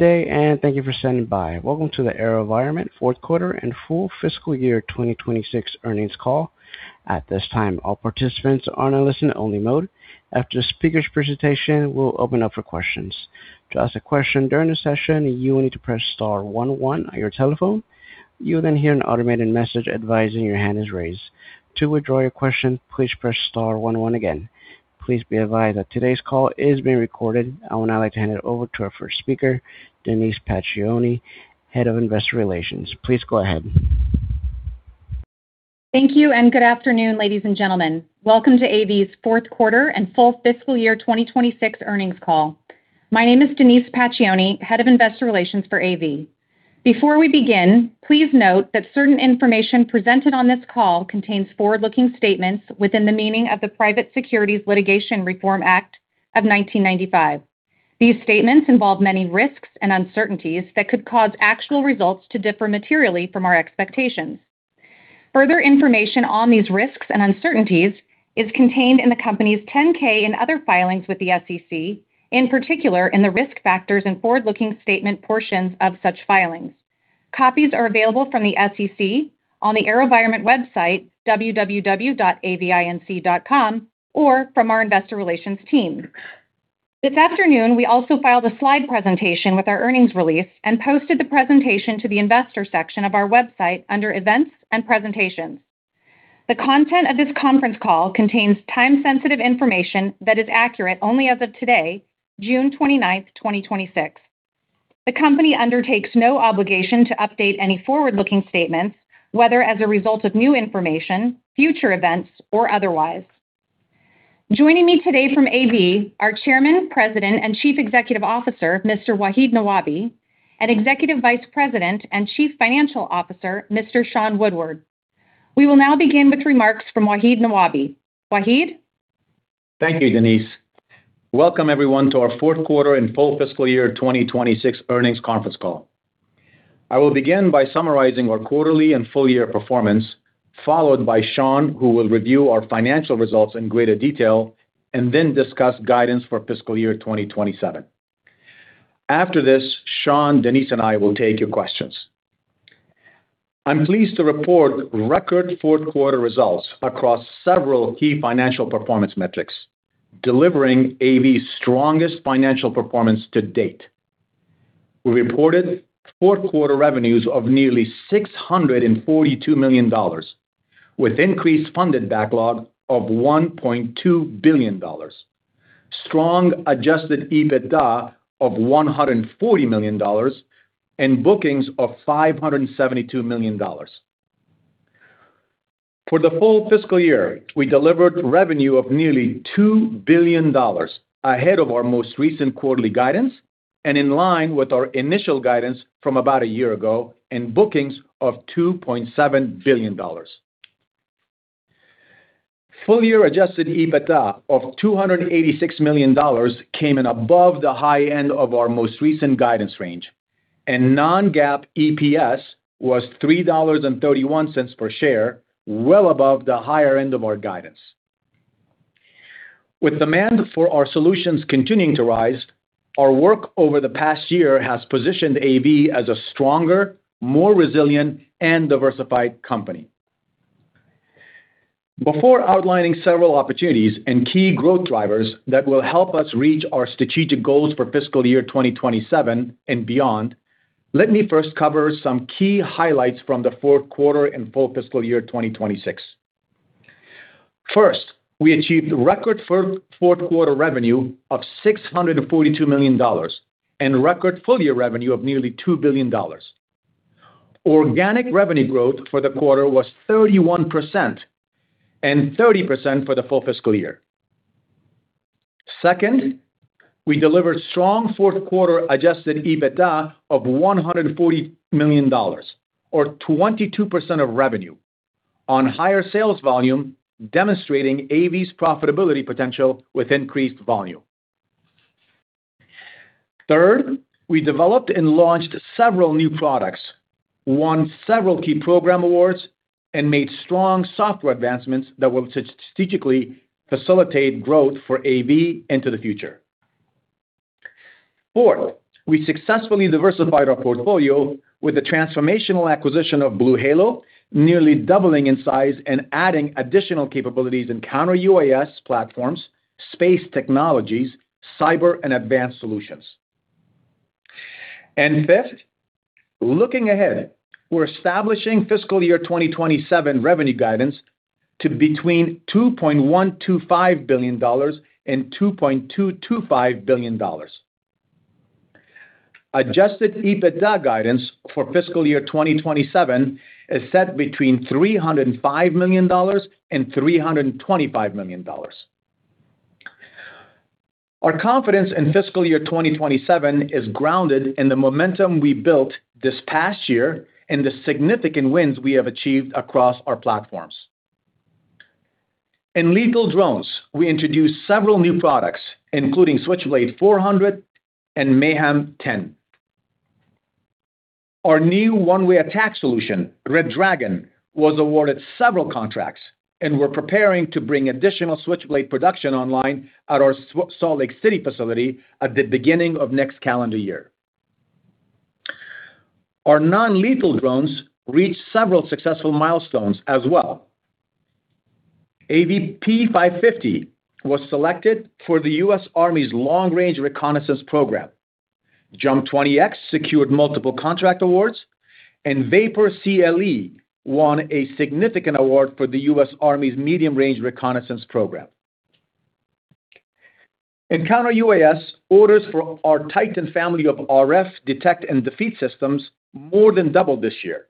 Good day, and thank you for standing by. Welcome to the AeroVironment fourth quarter and full fiscal year 2026 earnings call. At this time, all participants are in a listen-only mode. After the speakers' presentation, we will open up for questions. To ask a question during the session, you will need to press star one one on your telephone. You will then hear an automated message advising your hand is raised. To withdraw your question, please press star one one again. Please be advised that today's call is being recorded. I would now like to hand it over to our first speaker, Denise Pacioni, Head of Investor Relations. Please go ahead. Thank you. Good afternoon, ladies and gentlemen. Welcome to AV's fourth quarter and full fiscal year 2026 earnings call. My name is Denise Pacioni, Head of Investor Relations for AV. Before we begin, please note that certain information presented on this call contains forward-looking statements within the meaning of the Private Securities Litigation Reform Act of 1995. These statements involve many risks and uncertainties that could cause actual results to differ materially from our expectations. Further information on these risks and uncertainties is contained in the company's 10-K and other filings with the SEC, in particular in the risk factors and forward-looking statement portions of such filings. Copies are available from the SEC, on the AeroVironment website, www.avinc.com, or from our investor relations team. This afternoon, we also filed a slide presentation with our earnings release and posted the presentation to the investor section of our website under Events and Presentations. The content of this conference call contains time-sensitive information that is accurate only as of today, June 29th, 2026. The company undertakes no obligation to update any forward-looking statements, whether as a result of new information, future events, or otherwise. Joining me today from AV, are Chairman, President, and Chief Executive Officer, Mr. Wahid Nawabi, and Executive Vice President and Chief Financial Officer, Mr. Sean Woodward. We will now begin with remarks from Wahid Nawabi. Wahid? Thank you, Denise. Welcome, everyone, to our fourth quarter and full fiscal year 2026 earnings conference call. I will begin by summarizing our quarterly and full-year performance, followed by Sean, who will review our financial results in greater detail and then discuss guidance for fiscal year 2027. After this, Sean, Denise, and I will take your questions. I am pleased to report record fourth quarter results across several key financial performance metrics, delivering AV's strongest financial performance to date. We reported fourth quarter revenues of nearly $642 million, with increased funded backlog of $1.2 billion. Strong adjusted EBITDA of $140 million and bookings of $572 million. For the full fiscal year, we delivered revenue of nearly $2 billion ahead of our most recent quarterly guidance, in line with our initial guidance from about a year ago, and bookings of $2.7 billion. Full-year adjusted EBITDA of $286 million came in above the high end of our most recent guidance range. Non-GAAP EPS was $3.31 per share, well above the higher end of our guidance. With demand for our solutions continuing to rise, our work over the past year has positioned AV as a stronger, more resilient, and diversified company. Before outlining several opportunities and key growth drivers that will help us reach our strategic goals for fiscal year 2027 and beyond, let me first cover some key highlights from the fourth quarter and full fiscal year 2026. First, we achieved record fourth quarter revenue of $642 million and record full-year revenue of nearly $2 billion. Organic revenue growth for the quarter was 31% and 30% for the full fiscal year. Second, we delivered strong fourth quarter adjusted EBITDA of $140 million, or 22% of revenue on higher sales volume, demonstrating AV's profitability potential with increased volume. Third, we developed and launched several new products, won several key program awards, and made strong software advancements that will strategically facilitate growth for AV into the future. Fourth, we successfully diversified our portfolio with the transformational acquisition of BlueHalo, nearly doubling in size and adding additional capabilities in counter-UAS platforms, space technologies, cyber and advanced solutions. Fifth, looking ahead, we're establishing fiscal year 2027 revenue guidance to between $2.125 billion-$2.225 billion. Adjusted EBITDA guidance for fiscal year 2027 is set between $305 million-$325 million. Our confidence in fiscal year 2027 is grounded in the momentum we built this past year and the significant wins we have achieved across our platforms. In lethal drones, we introduced several new products, including Switchblade 400 and MAYHEM 10. Our new one-way attack solution, Red Dragon, was awarded several contracts. We're preparing to bring additional Switchblade production online at our Salt Lake City facility at the beginning of next calendar year. Our non-lethal drones reached several successful milestones as well. AV P550 was selected for the U.S. Army's long-range reconnaissance program. JUMP 20-X secured multiple contract awards. VAPOR CLE won a significant award for the U.S. Army's medium-range reconnaissance program. In counter-UAS, orders for our Titan family of RF detect and defeat systems more than doubled this year,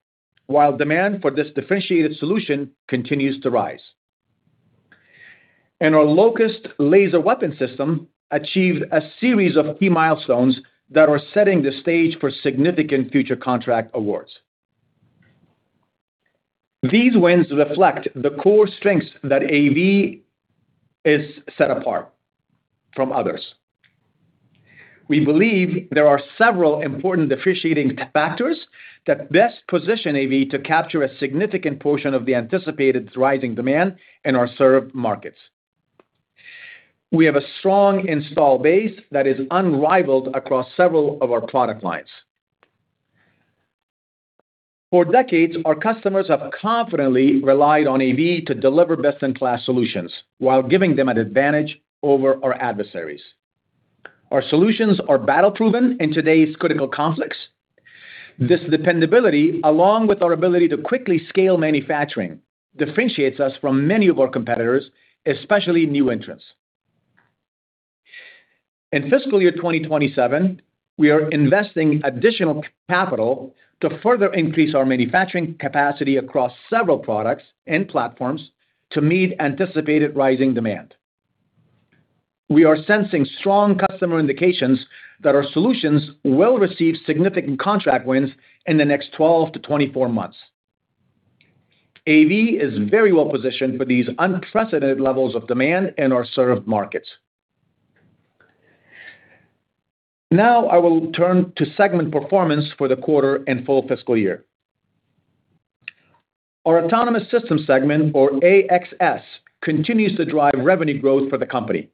while demand for this differentiated solution continues to rise. Our LOCUST laser weapon system achieved a series of key milestones that are setting the stage for significant future contract awards. These wins reflect the core strengths that AV is set apart from others. We believe there are several important differentiating factors that best position AV to capture a significant portion of the anticipated rising demand in our served markets. We have a strong install base that is unrivaled across several of our product lines. For decades, our customers have confidently relied on AV to deliver best-in-class solutions while giving them an advantage over our adversaries. Our solutions are battle-proven in today's critical conflicts. This dependability, along with our ability to quickly scale manufacturing, differentiates us from many of our competitors, especially new entrants. In fiscal year 2027, we are investing additional capital to further increase our manufacturing capacity across several products and platforms to meet anticipated rising demand. We are sensing strong customer indications that our solutions will receive significant contract wins in the next 12 to 24 months. AV is very well positioned for these unprecedented levels of demand in our served markets. I will turn to segment performance for the quarter and full fiscal year. Our Autonomous Systems segment, or AxS, continues to drive revenue growth for the company.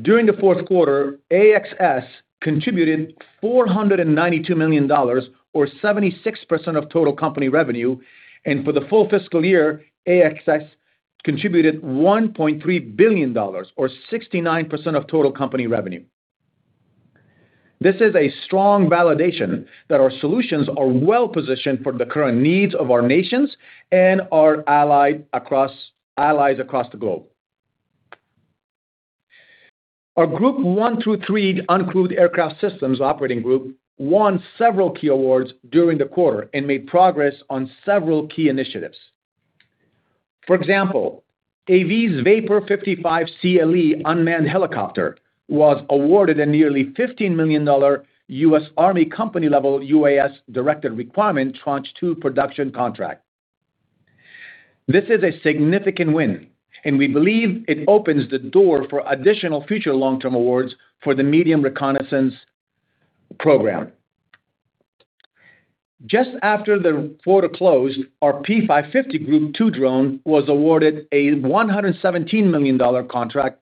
During the fourth quarter, AxS contributed $492 million, or 76% of total company revenue, and for the full fiscal year, AxS contributed $1.3 billion, or 69% of total company revenue. This is a strong validation that our solutions are well-positioned for the current needs of our nations and our allies across the globe. Our Group one through three uncrewed aircraft systems operating group won several key awards during the quarter and made progress on several key initiatives. For example, AV's VAPOR CLE unmanned helicopter was awarded a nearly $15 million US Army company-level UAS directed requirement Tranche 2 production contract. This is a significant win, we believe it opens the door for additional future long-term awards for the medium reconnaissance program. Just after the quarter closed, our P550 Group two drone was awarded a $117 million contract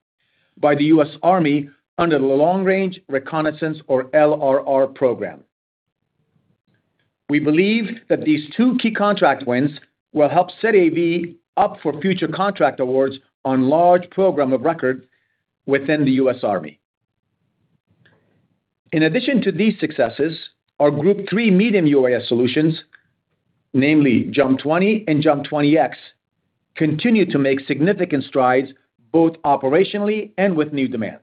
by the US Army under the Long Range Reconnaissance, or LRR program. We believe that these two key contract wins will help set AV up for future contract awards on large program of record within the US Army. In addition to these successes, our Group three medium UAS solutions, namely JUMP 20 and JUMP 20-X, continue to make significant strides both operationally and with new demand.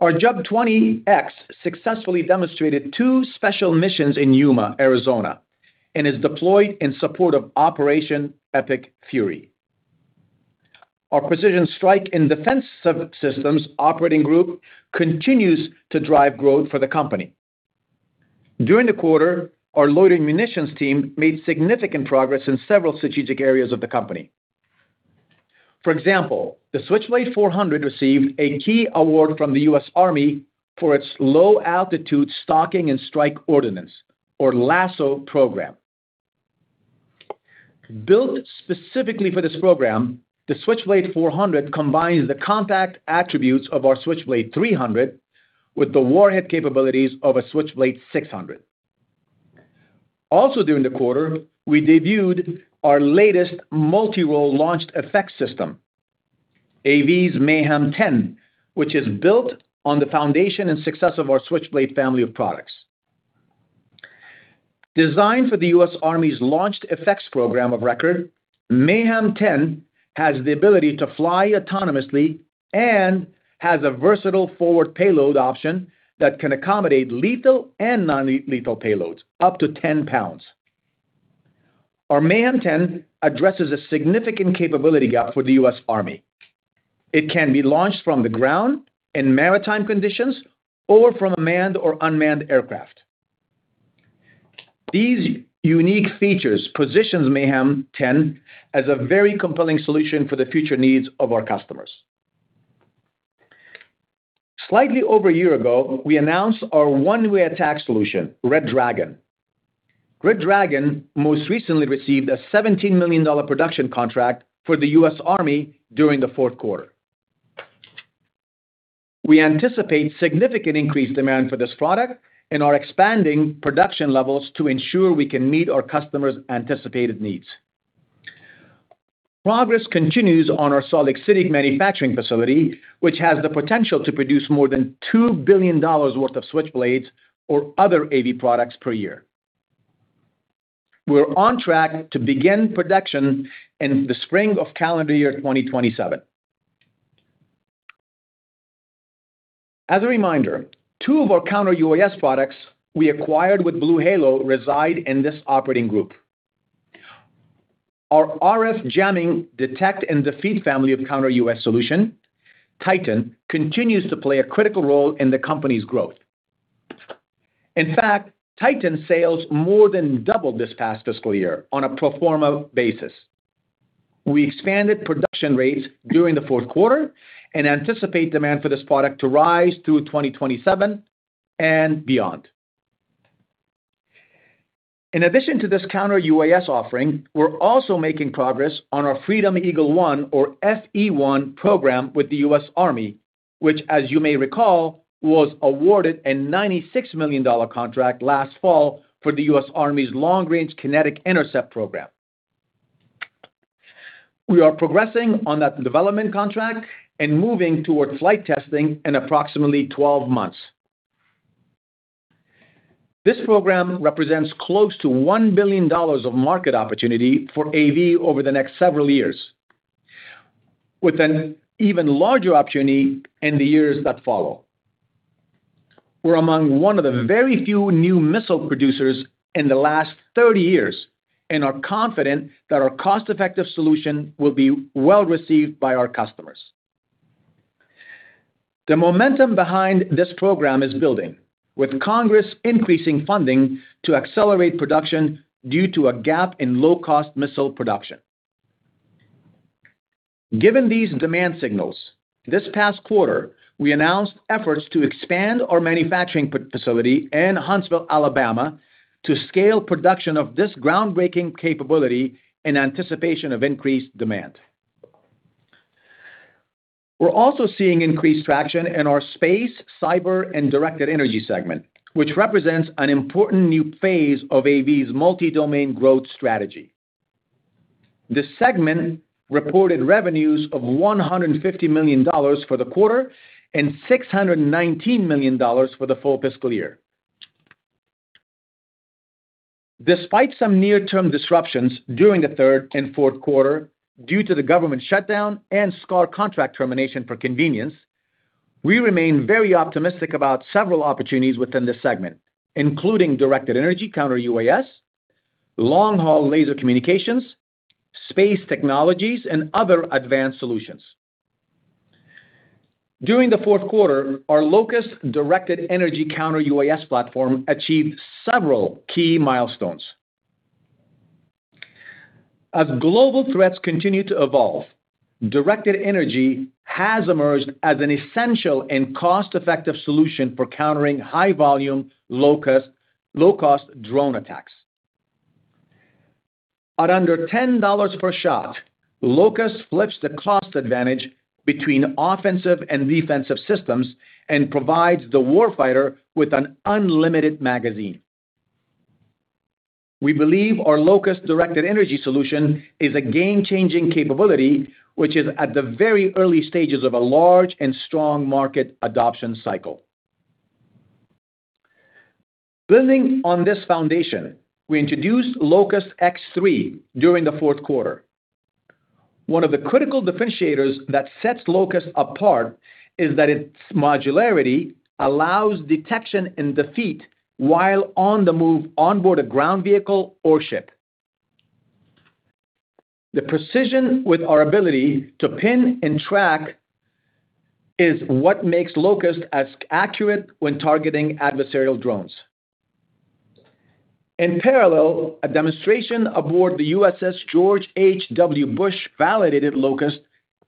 Our JUMP 20-X successfully demonstrated two special missions in Yuma, Arizona, and is deployed in support of Operation Epic Fury. Our precision strike and defense systems operating group continues to drive growth for the company. During the quarter, our loitering munitions team made significant progress in several strategic areas of the company. For example, the Switchblade 400 received a key award from the US Army for its Low-Altitude Stalking and Strike Ordnance, or LASSO program. Built specifically for this program, the Switchblade 400 combines the contact attributes of our Switchblade 300 with the warhead capabilities of a Switchblade 600. During the quarter, we debuted our latest multi-role Launched Effects system, AV's MAYHEM 10, which is built on the foundation and success of our Switchblade family of products. Designed for the US Army's Launched Effects program of record, MAYHEM 10 has the ability to fly autonomously and has a versatile forward payload option that can accommodate lethal and non-lethal payloads up to 10 lbs. Our MAYHEM 10 addresses a significant capability gap for the US Army. It can be launched from the ground, in maritime conditions, or from a manned or unmanned aircraft. These unique features positions MAYHEM 10 as a very compelling solution for the future needs of our customers. Slightly over a year ago, we announced our one-way attack solution, Red Dragon. Red Dragon most recently received a $17 million production contract for the US Army during the fourth quarter. We anticipate significant increased demand for this product and are expanding production levels to ensure we can meet our customers' anticipated needs. Progress continues on our Salt Lake City manufacturing facility, which has the potential to produce more than $2 billion worth of Switchblades or other AV products per year. We're on track to begin production in the spring of calendar year 2027. As a reminder, two of our counter-UAS products we acquired with BlueHalo reside in this operating group. Our RF jamming detect and defeat family of counter-UAS solution, Titan, continues to play a critical role in the company's growth. In fact, Titan sales more than doubled this past fiscal year on a pro forma basis. We expanded production rates during the fourth quarter and anticipate demand for this product to rise through 2027 and beyond. In addition to this counter-UAS offering, we're also making progress on our Freedom Eagle-1 or FE-1 program with the US Army, which as you may recall, was awarded a $96 million contract last fall for the US Army's long-range kinetic intercept program. We are progressing on that development contract and moving towards flight testing in approximately 12 months. This program represents close to $1 billion of market opportunity for AV over the next several years, with an even larger opportunity in the years that follow. We're among one of the very few new missile producers in the last 30 years and are confident that our cost-effective solution will be well-received by our customers. The momentum behind this program is building, with Congress increasing funding to accelerate production due to a gap in low-cost missile production. Given these demand signals, this past quarter, we announced efforts to expand our manufacturing facility in Huntsville, Alabama, to scale production of this groundbreaking capability in anticipation of increased demand. We're also seeing increased traction in our space, cyber, and directed energy segment, which represents an important new phase of AV's multi-domain growth strategy. The segment reported revenues of $150 million for the quarter and $619 million for the full fiscal year. Despite some near-term disruptions during the third and fourth quarter due to the government shutdown and SCAR contract termination for convenience, we remain very optimistic about several opportunities within this segment, including directed energy counter-UAS, long-haul laser communications, space technologies, and other advanced solutions. During the fourth quarter, our LOCUST directed energy counter-UAS platform achieved several key milestones. As global threats continue to evolve, directed energy has emerged as an essential and cost-effective solution for countering high volume, low-cost drone attacks. At under $10 per shot, LOCUST flips the cost advantage between offensive and defensive systems and provides the warfighter with an unlimited magazine. We believe our LOCUST directed energy solution is a game-changing capability, which is at the very early stages of a large and strong market adoption cycle. Building on this foundation, we introduced LOCUST X3 during the fourth quarter. One of the critical differentiators that sets LOCUST apart is that its modularity allows detection and defeat while on the move onboard a ground vehicle or ship. The precision with our ability to pin and track is what makes LOCUST as accurate when targeting adversarial drones. In parallel, a demonstration aboard the USS George H.W. Bush validated LOCUST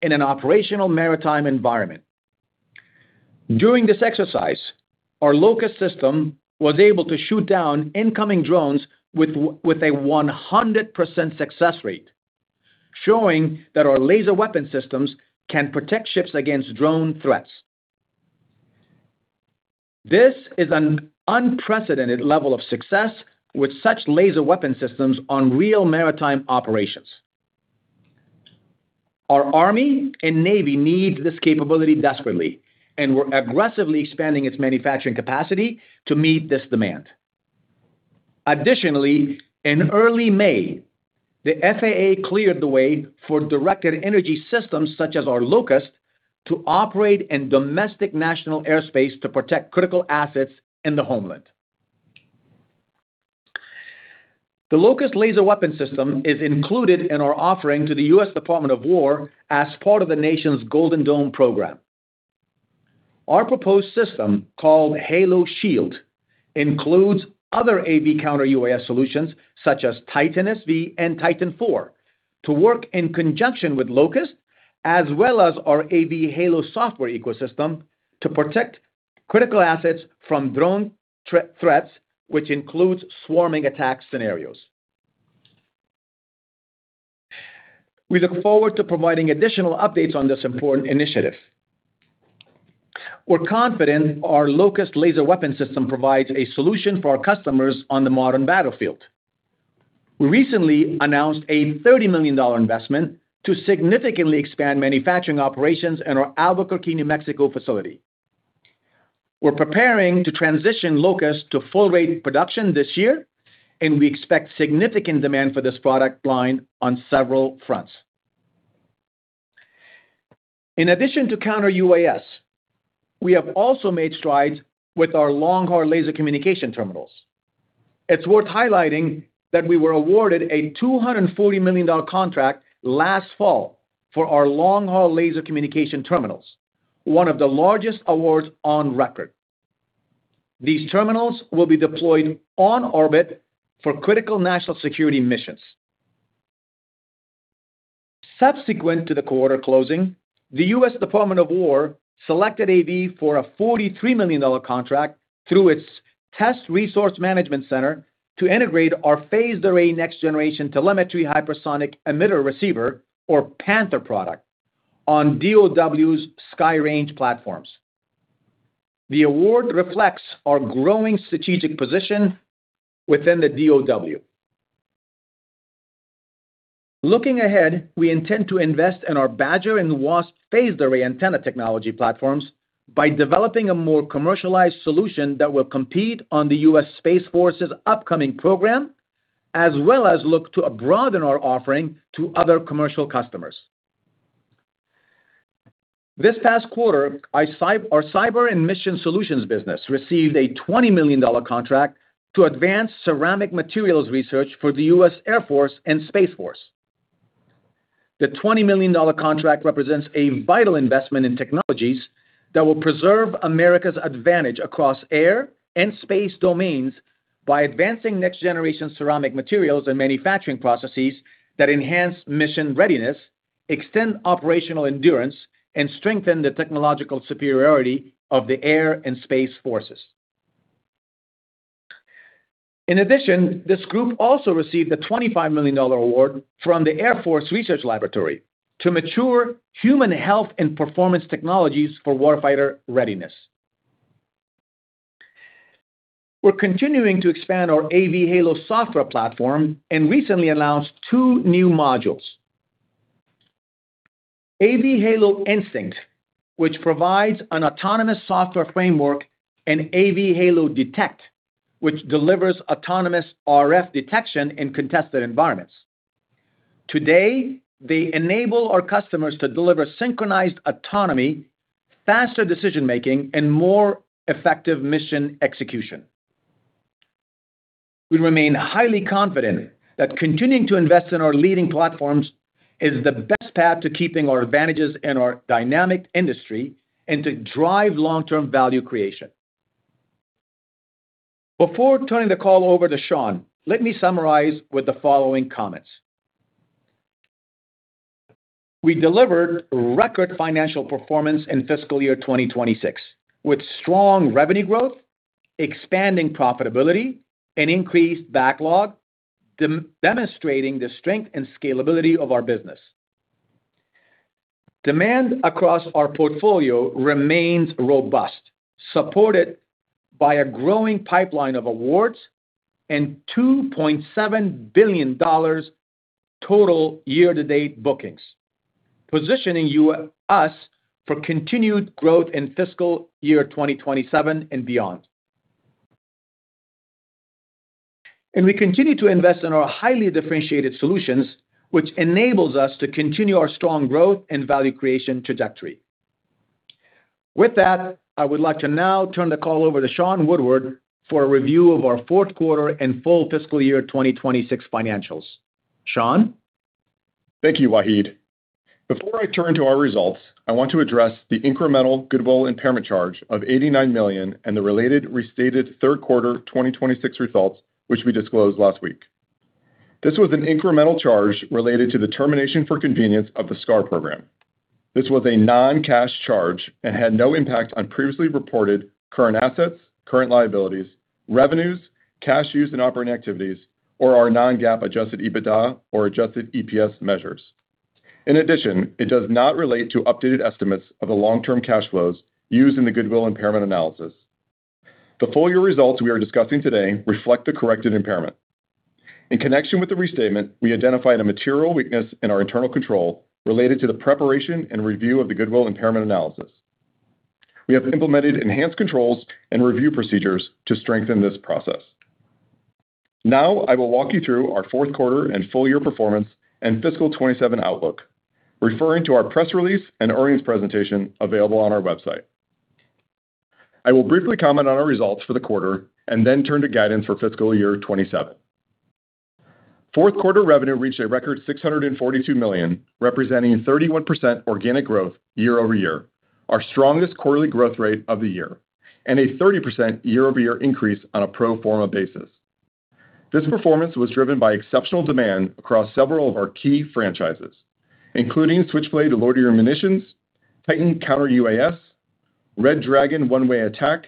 in an operational maritime environment. During this exercise, our LOCUST system was able to shoot down incoming drones with a 100% success rate, showing that our laser weapon systems can protect ships against drone threats. This is an unprecedented level of success with such laser weapon systems on real maritime operations. Our Army and Navy need this capability desperately, and we're aggressively expanding its manufacturing capacity to meet this demand. Additionally, in early May, the Federal Aviation Administration cleared the way for directed energy systems such as our LOCUST to operate in domestic national airspace to protect critical assets in the homeland. The LOCUST laser weapon system is included in our offering to the U.S. Department of Defense as part of the nation's Golden Dome program. Our proposed system, called Halo_Shield, includes other AV counter-UAS solutions such as Titan-SV and Titan 4 To work in conjunction with LOCUST, as well as our AV_Halo software ecosystem to protect critical assets from drone threats, which includes swarming attack scenarios. We look forward to providing additional updates on this important initiative. We're confident our LOCUST laser weapon system provides a solution for our customers on the modern battlefield. We recently announced a $30 million investment to significantly expand manufacturing operations in our Albuquerque, New Mexico facility. We're preparing to transition LOCUST to full rate production this year, and we expect significant demand for this product line on several fronts. In addition to counter-UAS, we have also made strides with our long-haul laser communication terminals. It's worth highlighting that we were awarded a $240 million contract last fall for our long-haul laser communication terminals, one of the largest awards on record. These terminals will be deployed on orbit for critical national security missions. Subsequent to the quarter closing, the U.S. Department of Defense selected AV for a $43 million contract through its Test Resource Management Center to integrate our phased array next generation telemetry hypersonic emitter receiver, or PANTHER product, on DoD's SkyRange platforms. The award reflects our growing strategic position within the DoD. Looking ahead, we intend to invest in our BADGER and WASP phased array antenna technology platforms by developing a more commercialized solution that will compete on the U.S. Space Force's upcoming program, as well as look to broaden our offering to other commercial customers. This past quarter, our cyber and mission solutions business received a $20 million contract to advance ceramic materials research for the U.S. Air Force and Space Force. The $20 million contract represents a vital investment in technologies that will preserve America's advantage across air and space domains by advancing next generation ceramic materials and manufacturing processes that enhance mission readiness, extend operational endurance, and strengthen the technological superiority of the Air and Space Forces. In addition, this group also received a $25 million award from the Air Force Research Laboratory to mature human health and performance technologies for warfighter readiness. We're continuing to expand our AV_Halo software platform and recently announced two new modules. AV_Halo Instinct, which provides an autonomous software framework, and AV_Halo Detect, which delivers autonomous RF detection in contested environments. Today, they enable our customers to deliver synchronized autonomy, faster decision-making, and more effective mission execution. We remain highly confident that continuing to invest in our leading platforms is the best path to keeping our advantages in our dynamic industry and to drive long-term value creation. Before turning the call over to Sean, let me summarize with the following comments. We delivered record financial performance in fiscal year 2026, with strong revenue growth, expanding profitability, and increased backlog, demonstrating the strength and scalability of our business. Demand across our portfolio remains robust, supported by a growing pipeline of awards and $2.7 billion total year to date bookings, positioning us for continued growth in fiscal year 2027 and beyond. We continue to invest in our highly differentiated solutions, which enables us to continue our strong growth and value creation trajectory. With that, I would like to now turn the call over to Sean Woodward for a review of our fourth quarter and full fiscal year 2026 financials. Sean? Thank you, Wahid. Before I turn to our results, I want to address the incremental goodwill impairment charge of $89 million and the related restated third quarter 2026 results, which we disclosed last week. This was an incremental charge related to the termination for convenience of the SCAR program. This was a non-cash charge and had no impact on previously reported current assets, current liabilities, revenues, cash used in operating activities, or our non-GAAP adjusted EBITDA or adjusted EPS measures. In addition, it does not relate to updated estimates of the long-term cash flows used in the goodwill impairment analysis. The full year results we are discussing today reflect the corrected impairment. In connection with the restatement, we identified a material weakness in our internal control related to the preparation and review of the goodwill impairment analysis. We have implemented enhanced controls and review procedures to strengthen this process. Now, I will walk you through our fourth quarter and full year performance and fiscal year 2027 outlook, referring to our press release and earnings presentation available on our website. I will briefly comment on our results for the quarter and then turn to guidance for fiscal year 2027. Fourth quarter revenue reached a record $642 million, representing 31% organic growth year-over-year. Our strongest quarterly growth rate of the year, a 30% year-over-year increase on a pro forma basis. This performance was driven by exceptional demand across several of our key franchises, including Switchblade and Loitering Munitions, Titan Counter-UAS, Red Dragon one-way attack,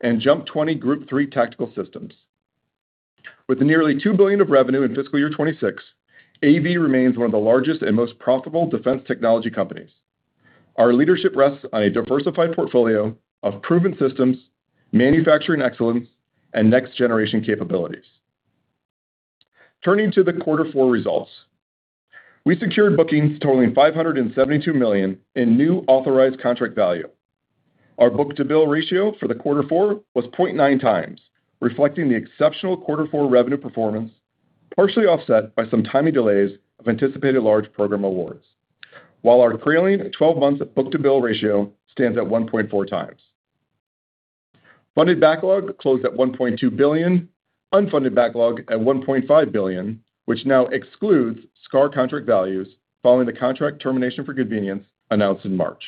and JUMP 20 Group three tactical systems. With nearly $2 billion of revenue in fiscal year 2026, AV remains one of the largest and most profitable defense technology companies. Our leadership rests on a diversified portfolio of proven systems, manufacturing excellence, and next-generation capabilities. Turning to the quarter four results, we secured bookings totaling $572 million in new authorized contract value. Our book-to-bill ratio for the quarter four was 0.9 times, reflecting the exceptional quarter four revenue performance, partially offset by some timing delays of anticipated large program awards, while our trailing 12 months book-to-bill ratio stands at 1.4 times. Funded backlog closed at $1.2 billion, unfunded backlog at $1.5 billion, which now excludes SCAR contract values following the contract termination for convenience announced in March.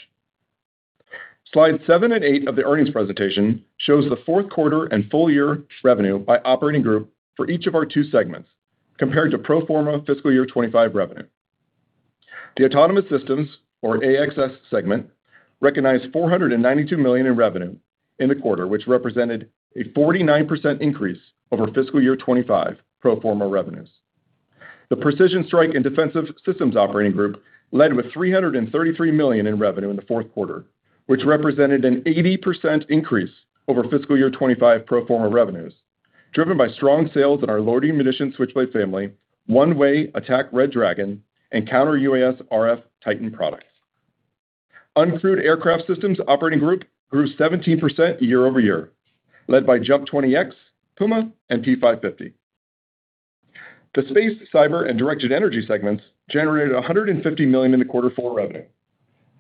Slide seven and eight of the earnings presentation shows the fourth quarter and full-year revenue by operating group for each of our two segments compared to pro forma fiscal year 2025 revenue. The Autonomous Systems, or AxS segment, recognized $492 million in revenue in the quarter, which represented a 49% increase over fiscal year 2025 pro forma revenues. The precision strike and defensive systems operating group led with $333 million in revenue in the fourth quarter, which represented an 80% increase over fiscal year 2025 pro forma revenues, driven by strong sales in our Loitering Munition Switchblade family, one-way attack Red Dragon, and counter-UAS RF Titan products. Uncrewed Aircraft Systems operating group grew 17% year-over-year, led by JUMP 20-X, Puma, and P550. The space, cyber, and directed energy segments generated $150 million in the quarter four revenue,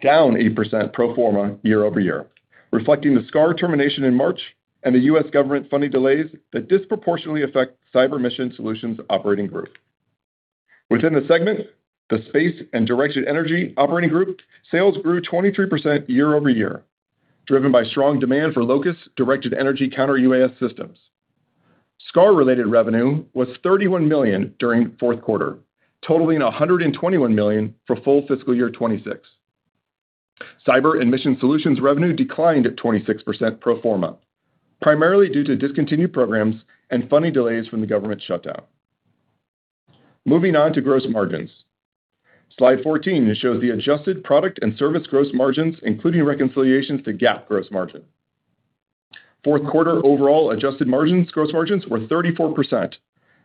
down 8% pro forma year-over-year, reflecting the SCAR termination in March and the U.S. government funding delays that disproportionately affect Cyber Mission Solutions operating group. Within the segment, the space and directed energy operating group sales grew 23% year-over-year, driven by strong demand for LOCUST directed energy counter-UAS systems. SCAR-related revenue was $31 million during fourth quarter, totaling $121 million for full fiscal year 2026. Cyber Mission Solutions revenue declined at 26% pro forma, primarily due to discontinued programs and funding delays from the government shutdown. Moving on to gross margins. Slide 14 shows the adjusted product and service gross margins, including reconciliations to GAAP gross margin. Fourth quarter overall adjusted margins, gross margins were 34%,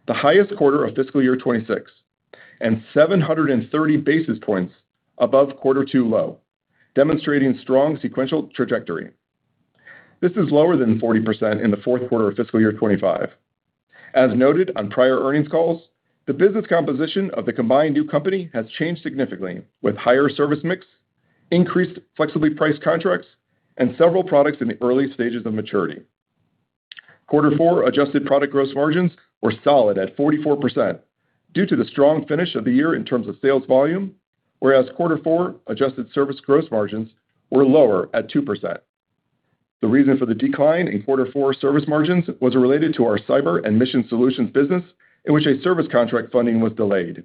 the highest quarter of fiscal year 2026, and 730 basis points above quarter two low, demonstrating strong sequential trajectory. This is lower than 40% in the fourth quarter of fiscal year 2025. As noted on prior earnings calls, the business composition of the combined new company has changed significantly with higher service mix, increased flexibly priced contracts, and several products in the early stages of maturity. Quarter four adjusted product gross margins were solid at 44% due to the strong finish of the year in terms of sales volume, whereas quarter four adjusted service gross margins were lower at 2%. The reason for the decline in quarter four service margins was related to our Cyber Mission Solutions business, in which a service contract funding was delayed,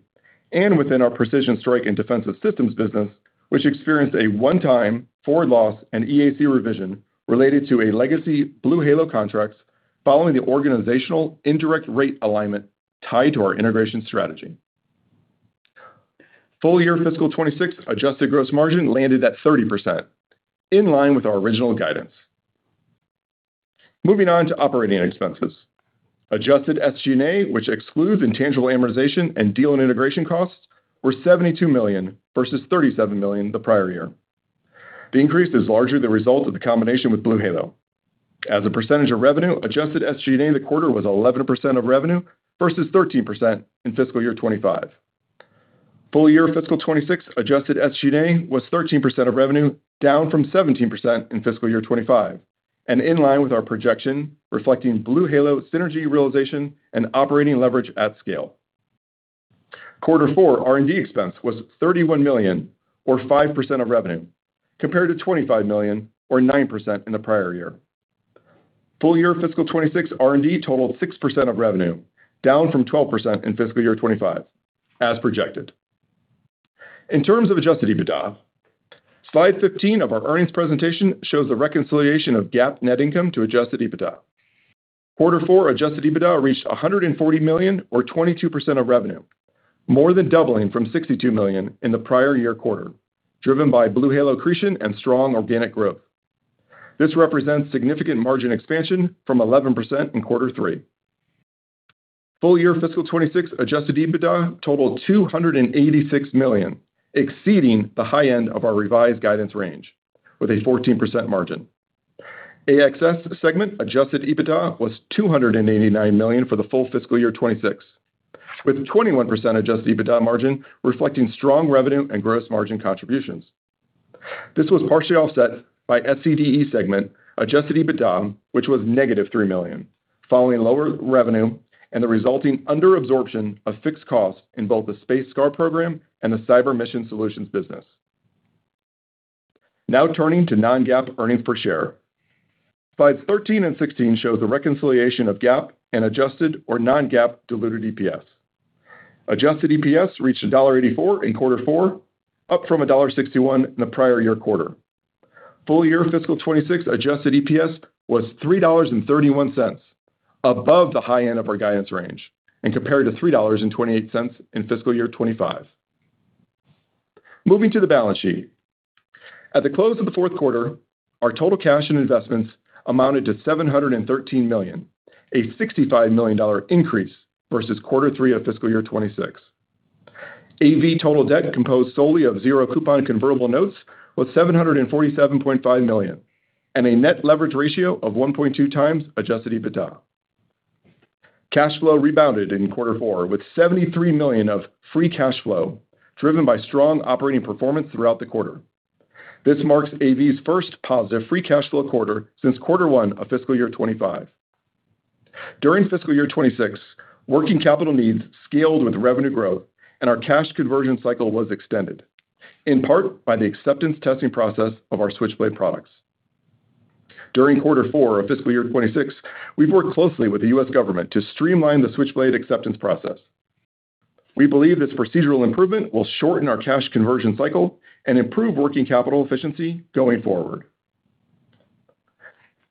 and within our Precision Strike and Defensive Systems business, which experienced a one-time forward loss and EAC revision related to a legacy BlueHalo contract following the organizational indirect rate alignment tied to our integration strategy. Full year fiscal 2026 adjusted gross margin landed at 30%, in line with our original guidance. Moving on to operating expenses. Adjusted SG&A, which excludes intangible amortization and deal and integration costs, were $72 million versus $37 million the prior year. The increase is largely the result of the combination with BlueHalo. As a percentage of revenue, adjusted SG&A in the quarter was 11% of revenue versus 13% in fiscal year 2025. Full year fiscal 2026 adjusted SG&A was 13% of revenue, down from 17% in fiscal year 2025, and in line with our projection reflecting BlueHalo synergy realization and operating leverage at scale. Quarter four R&D expense was $31 million, or 5% of revenue, compared to $25 million, or 9%, in the prior year. Full year fiscal 2026 R&D totaled 6% of revenue, down from 12% in fiscal year 2025, as projected. In terms of adjusted EBITDA, slide 15 of our earnings presentation shows the reconciliation of GAAP net income to adjusted EBITDA. Quarter four adjusted EBITDA reached $140 million or 22% of revenue, more than doubling from $62 million in the prior year quarter, driven by BlueHalo accretion and strong organic growth. This represents significant margin expansion from 11% in Q3. Full year fiscal 2026 adjusted EBITDA totaled $286 million, exceeding the high end of our revised guidance range with a 14% margin. AxS segment adjusted EBITDA was $289 million for the full fiscal year 2026, with a 21% adjusted EBITDA margin reflecting strong revenue and gross margin contributions. This was partially offset by SCDE segment adjusted EBITDA, which was negative $3 million. Following lower revenue and the resulting under-absorption of fixed costs in both the Space SCAR program and the Cyber Mission Solutions business. Turning to non-GAAP earnings per share. Slides 13 and 16 show the reconciliation of GAAP and adjusted or non-GAAP diluted EPS. Adjusted EPS reached $1.84 in Q4, up from $1.61 in the prior year quarter. Full year fiscal 2026 adjusted EPS was $3.31, above the high end of our guidance range, and compared to $3.28 in fiscal year 2025. Moving to the balance sheet. At the close of the fourth quarter, our total cash and investments amounted to $713 million, a $65 million increase versus Q3 of fiscal year 2026. AV total debt composed solely of zero coupon convertible notes was $747.5 million, and a net leverage ratio of 1.2 times adjusted EBITDA. Cash flow rebounded in Q4 with $73 million of free cash flow, driven by strong operating performance throughout the quarter. This marks AV's first positive free cash flow quarter since quarter 1 of fiscal year 2025. During fiscal year 2026, working capital needs scaled with revenue growth, and our cash conversion cycle was extended, in part by the acceptance testing process of our Switchblade products. During Q4 of fiscal year 2026, we've worked closely with the U.S. government to streamline the Switchblade acceptance process. We believe this procedural improvement will shorten our cash conversion cycle and improve working capital efficiency going forward.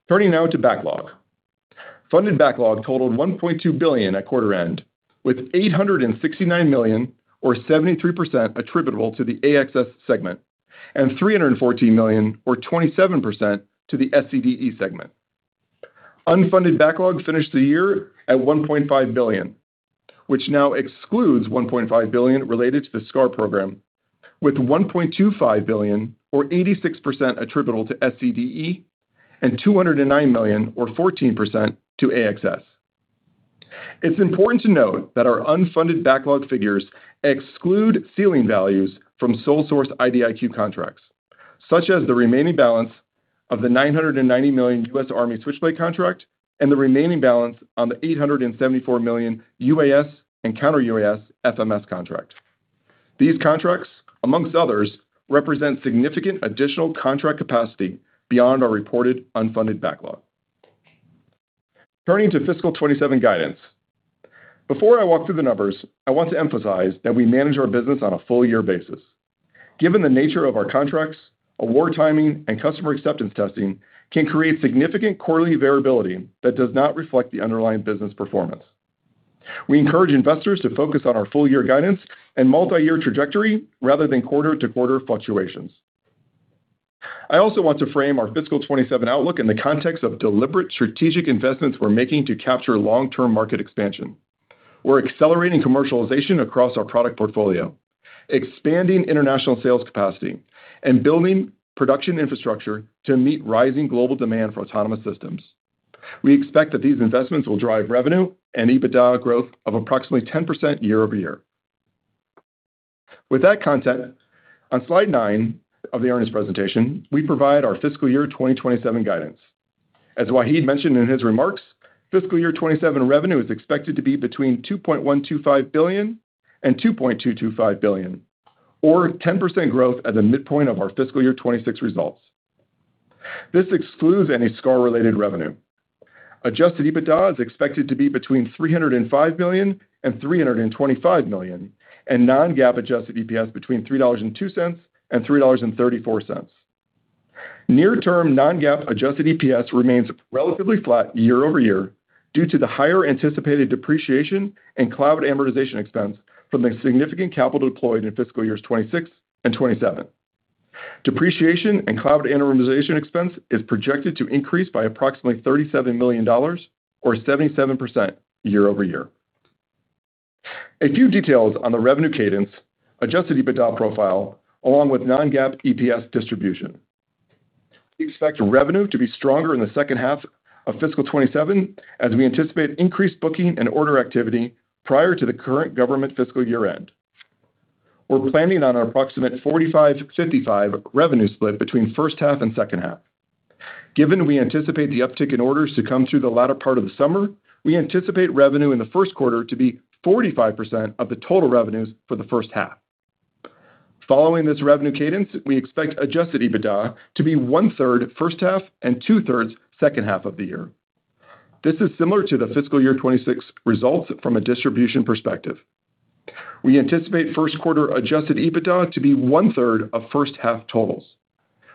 Turning to backlog. Funded backlog totaled $1.2 billion at quarter end, with $869 million or 73% attributable to the AxS segment, and $314 million or 27% to the SCDE segment. Unfunded backlog finished the year at $1.5 billion, which now excludes $1.5 billion related to the SCAR program, with $1.25 billion or 86% attributable to SCDE and $209 million or 14% to AxS. It's important to note that our unfunded backlog figures exclude ceiling values from sole source IDIQ contracts, such as the remaining balance of the $990 million U.S. Army Switchblade contract and the remaining balance on the $874 million UAS and counter-UAS FMS contract. These contracts, amongst others, represent significant additional contract capacity beyond our reported unfunded backlog. Turning to fiscal 2027 guidance. Before I walk through the numbers, I want to emphasize that we manage our business on a full year basis. Given the nature of our contracts, award timing and customer acceptance testing can create significant quarterly variability that does not reflect the underlying business performance. We encourage investors to focus on our full year guidance and multi-year trajectory rather than quarter-to-quarter fluctuations. I also want to frame our fiscal 2027 outlook in the context of deliberate strategic investments we're making to capture long-term market expansion. We're accelerating commercialization across our product portfolio, expanding international sales capacity, and building production infrastructure to meet rising global demand for autonomous systems. We expect that these investments will drive revenue and EBITDA growth of approximately 10% year-over-year. With that context, on slide nine of the earnings presentation, we provide our fiscal year 2027 guidance. As Wahid mentioned in his remarks, fiscal year 2027 revenue is expected to be between $2.125 billion and $2.225 billion, or 10% growth at the midpoint of our fiscal year 2026 results. This excludes any SCAR-related revenue. Adjusted EBITDA is expected to be between $305 million and $325 million, and non-GAAP adjusted EPS between $3.02 and $3.34. Near-term non-GAAP adjusted EPS remains relatively flat year-over-year due to the higher anticipated depreciation and cloud amortization expense from the significant capital deployed in fiscal years 2026 and 2027. Depreciation and cloud amortization expense is projected to increase by approximately $37 million or 77% year-over-year. A few details on the revenue cadence, adjusted EBITDA profile along with non-GAAP EPS distribution. We expect revenue to be stronger in the second half of fiscal 2027 as we anticipate increased booking and order activity prior to the current government fiscal year end. We're planning on an approximate 45/55 revenue split between first half and second half. Given we anticipate the uptick in orders to come through the latter part of the summer, we anticipate revenue in the first quarter to be 45% of the total revenues for the first half. Following this revenue cadence, we expect adjusted EBITDA to be one-third first half and two-thirds second half of the year. This is similar to the fiscal year 2026 results from a distribution perspective. We anticipate first quarter adjusted EBITDA to be one-third of first half totals,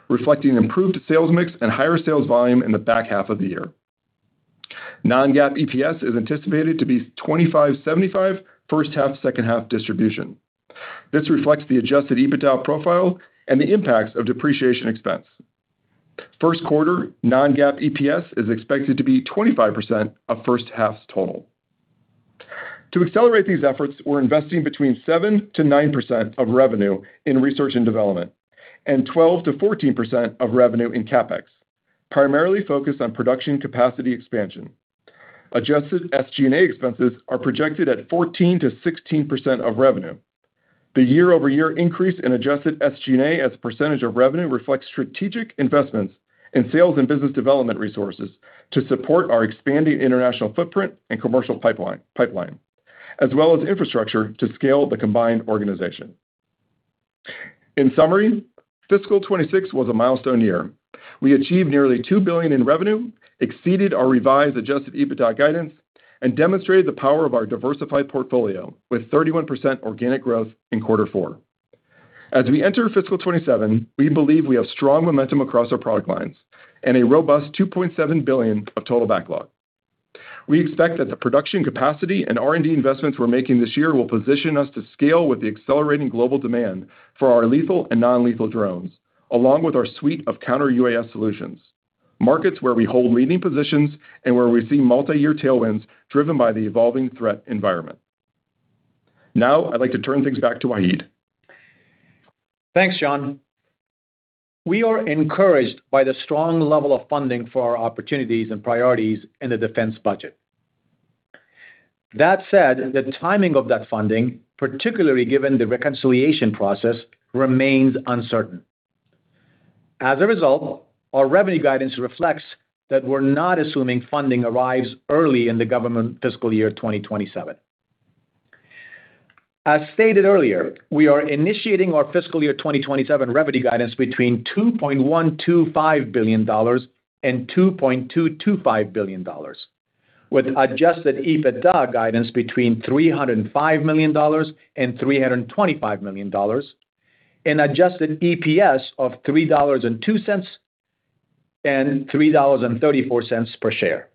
reflecting improved sales mix and higher sales volume in the back half of the year. Non-GAAP EPS is anticipated to be 25/75 first half, second half distribution. This reflects the adjusted EBITDA profile and the impacts of depreciation expense. First quarter non-GAAP EPS is expected to be 25% of first half's total. To accelerate these efforts, we're investing between 7%-9% of revenue in research and development, and 12%-14% of revenue in CapEx, primarily focused on production capacity expansion. Adjusted SG&A expenses are projected at 14%-16% of revenue. The year-over-year increase in adjusted SG&A as a percentage of revenue reflects strategic investments in sales and business development resources to support our expanding international footprint and commercial pipeline, as well as infrastructure to scale the combined organization. In summary, fiscal 2026 was a milestone year. We achieved nearly $2 billion in revenue, exceeded our revised adjusted EBITDA guidance, and demonstrated the power of our diversified portfolio with 31% organic growth in quarter four. As we enter fiscal 2027, we believe we have strong momentum across our product lines and a robust $2.7 billion of total backlog. We expect that the production capacity and R&D investments we're making this year will position us to scale with the accelerating global demand for our lethal and non-lethal drones, along with our suite of counter-UAS solutions, markets where we hold leading positions and where we see multi-year tailwinds driven by the evolving threat environment. Now, I'd like to turn things back to Wahid. Thanks, Sean. We are encouraged by the strong level of funding for our opportunities and priorities in the defense budget. That said, the timing of that funding, particularly given the reconciliation process, remains uncertain. As a result, our revenue guidance reflects that we're not assuming funding arrives early in the government FY 2027. As stated earlier, we are initiating our FY 2027 revenue guidance between $2.125 billion and $2.225 billion, with adjusted EBITDA guidance between $305 million and $325 million, an adjusted EPS of $3.02 and $3.34 per share.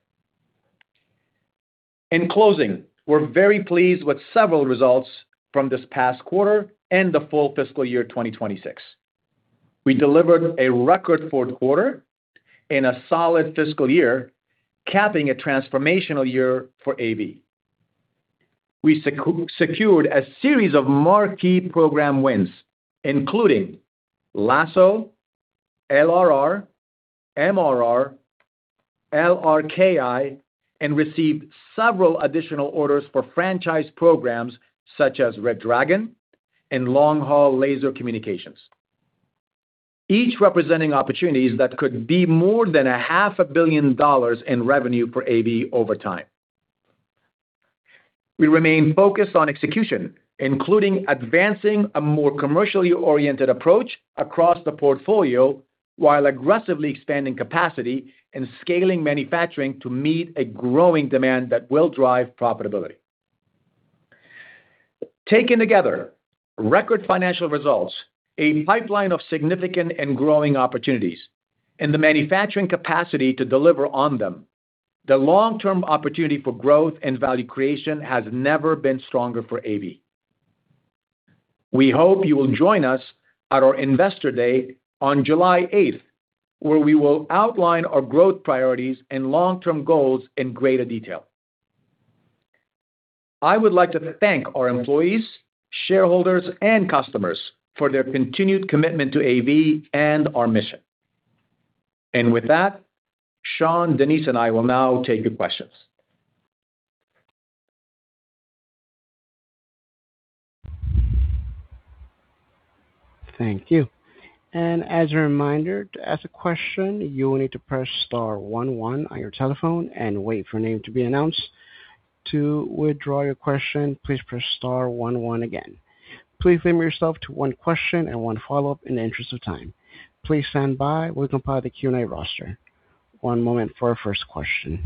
In closing, we're very pleased with several results from this past quarter and the full FY 2026. We delivered a record fourth quarter and a solid fiscal year, capping a transformational year for AV. We secured a series of marquee program wins, including LASSO, LRR, MRR, LRKI, and received several additional orders for franchise programs such as Red Dragon and Long Haul Laser Communications, each representing opportunities that could be more than a half a billion dollars in revenue for AV over time. We remain focused on execution, including advancing a more commercially oriented approach across the portfolio, while aggressively expanding capacity and scaling manufacturing to meet a growing demand that will drive profitability. Taken together, record financial results, a pipeline of significant and growing opportunities, and the manufacturing capacity to deliver on them. The long-term opportunity for growth and value creation has never been stronger for AV. We hope you will join us at our Investor Day on July 8th, where we will outline our growth priorities and long-term goals in greater detail. I would like to thank our employees, shareholders, and customers for their continued commitment to AV and our mission. With that, Sean, Denise, and I will now take your questions. Thank you. As a reminder, to ask a question, you will need to press star one one on your telephone and wait for your name to be announced. To withdraw your question, please press star one one again. Please limit yourself to one question and one follow-up in the interest of time. Please stand by. We'll compile the Q&A roster. One moment for our first question.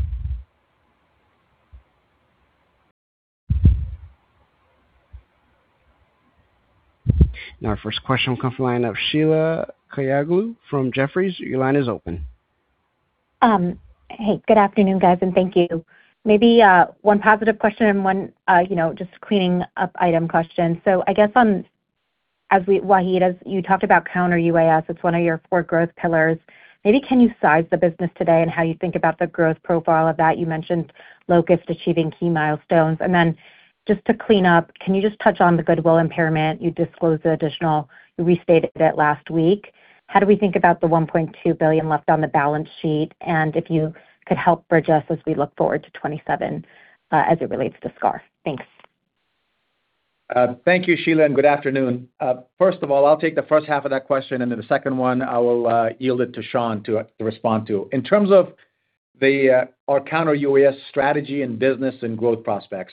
Our first question will come from the line of Sheila Kahyaoglu from Jefferies. Your line is open. Good afternoon, guys, and thank you. Maybe one positive question and one just cleaning up item question. I guess on, Wahid, as you talked about counter-UAS, it's one of your four growth pillars. Maybe can you size the business today and how you think about the growth profile of that? You mentioned LOCUST achieving key milestones. Then just to clean up, can you just touch on the goodwill impairment? You restated it last week. How do we think about the $1.2 billion left on the balance sheet? If you could help bridge us as we look forward to 2027 as it relates to SCAR. Thanks. Thank you, Sheila, and good afternoon. First of all, I'll take the first half of that question, then the second one I will yield it to Sean to respond to. In terms of our counter-UAS strategy and business and growth prospects,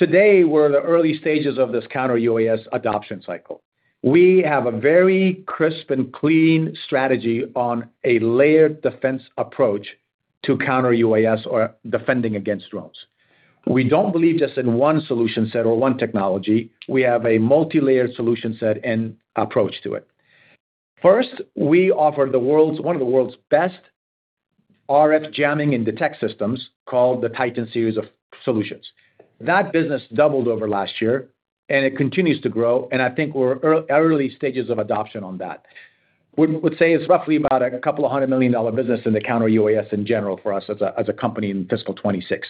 today, we're in the early stages of this counter-UAS adoption cycle. We have a very crisp and clean strategy on a layered defense approach to counter UAS or defending against drones. We don't believe just in one solution set or one technology. We have a multi-layered solution set and approach to it. First, we offer one of the world's best RF jamming and detect systems called the Titan series of solutions. That business doubled over last year, and it continues to grow, and I think we're early stages of adoption on that. Would say it's roughly about a $200 million business in the counter-UAS in general for us as a company in FY 2026.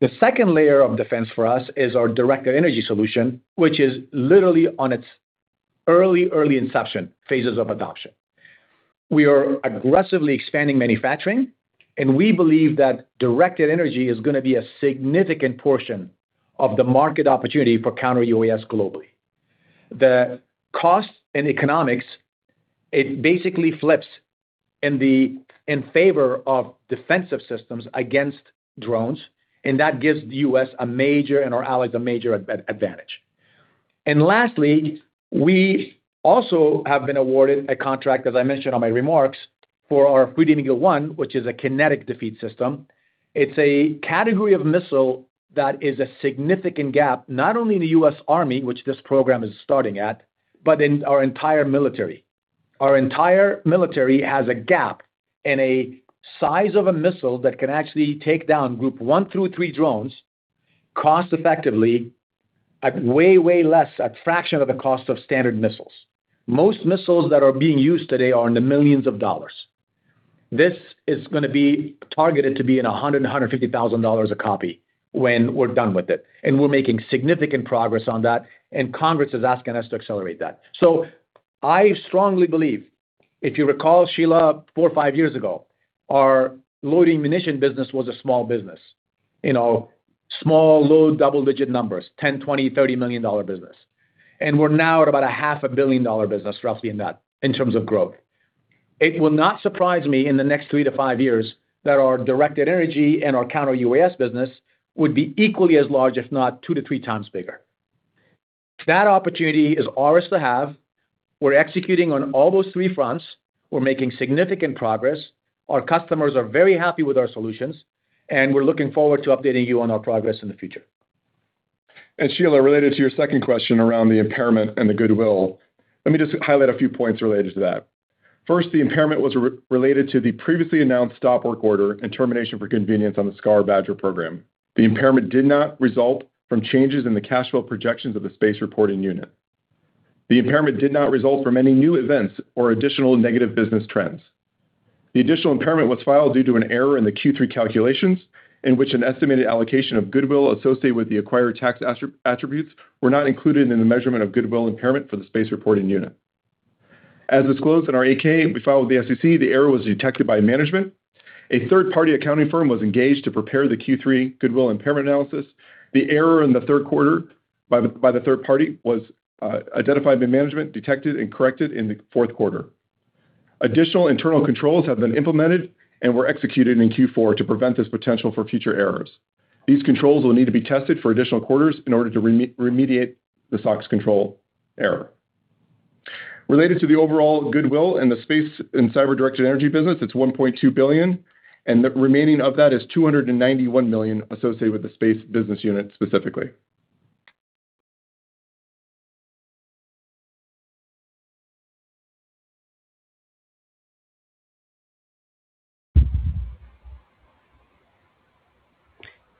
The second layer of defense for us is our directed energy solution, which is literally on its early inception phases of adoption. We are aggressively expanding manufacturing, and we believe that directed energy is going to be a significant portion of the market opportunity for counter-UAS globally. The cost and economics, it basically flips in favor of defensive systems against drones, and that gives the U.S. and our allies a major advantage. Lastly, we also have been awarded a contract, as I mentioned in my remarks, for our Freedom Eagle-1, which is a kinetic defeat system. It's a category of missile that is a significant gap, not only in the U.S. Army, which this program is starting at, but in our entire military. Our entire military has a gap in a size of a missile that can actually take down Group one through three drones cost-effectively at way less, a fraction of the cost of standard missiles. Most missiles that are being used today are in the millions of dollars. This is going to be targeted to be in $100,000, $150,000 a copy when we're done with it. We're making significant progress on that, and Congress is asking us to accelerate that. I strongly believe, if you recall, Sheila, four or five years ago, our loitering munition business was a small business. Small, low double-digit numbers, $10, $20, $30 million business. We're now at about a half a billion-dollar business, roughly in that, in terms of growth. It will not surprise me in the next 3-5 years that our directed energy and our counter-UAS business would be equally as large, if not 2-3 times bigger. That opportunity is ours to have. We're executing on all those three fronts. We're making significant progress. Our customers are very happy with our solutions, and we're looking forward to updating you on our progress in the future. Sheila, related to your second question around the impairment and the goodwill, let me just highlight a few points related to that. First, the impairment was related to the previously announced stop work order and termination for convenience on the SCAR BADGER program. The impairment did not result from changes in the cash flow projections of the space reporting unit. The impairment did not result from any new events or additional negative business trends. The additional impairment was filed due to an error in the Q3 calculations in which an estimated allocation of goodwill associated with the acquired tax attributes were not included in the measurement of goodwill impairment for the space reporting unit. As disclosed in our 8-K we filed with the SEC, the error was detected by management. A third-party accounting firm was engaged to prepare the Q3 goodwill impairment analysis. The error in the third quarter by the third party was identified by management, detected, and corrected in the fourth quarter. Additional internal controls have been implemented and were executed in Q4 to prevent this potential for future errors. These controls will need to be tested for additional quarters in order to remediate the SOX control error. Related to the overall goodwill in the space and cyber-directed energy business, it's $1.2 billion, and the remaining of that is $291 million associated with the space business unit specifically.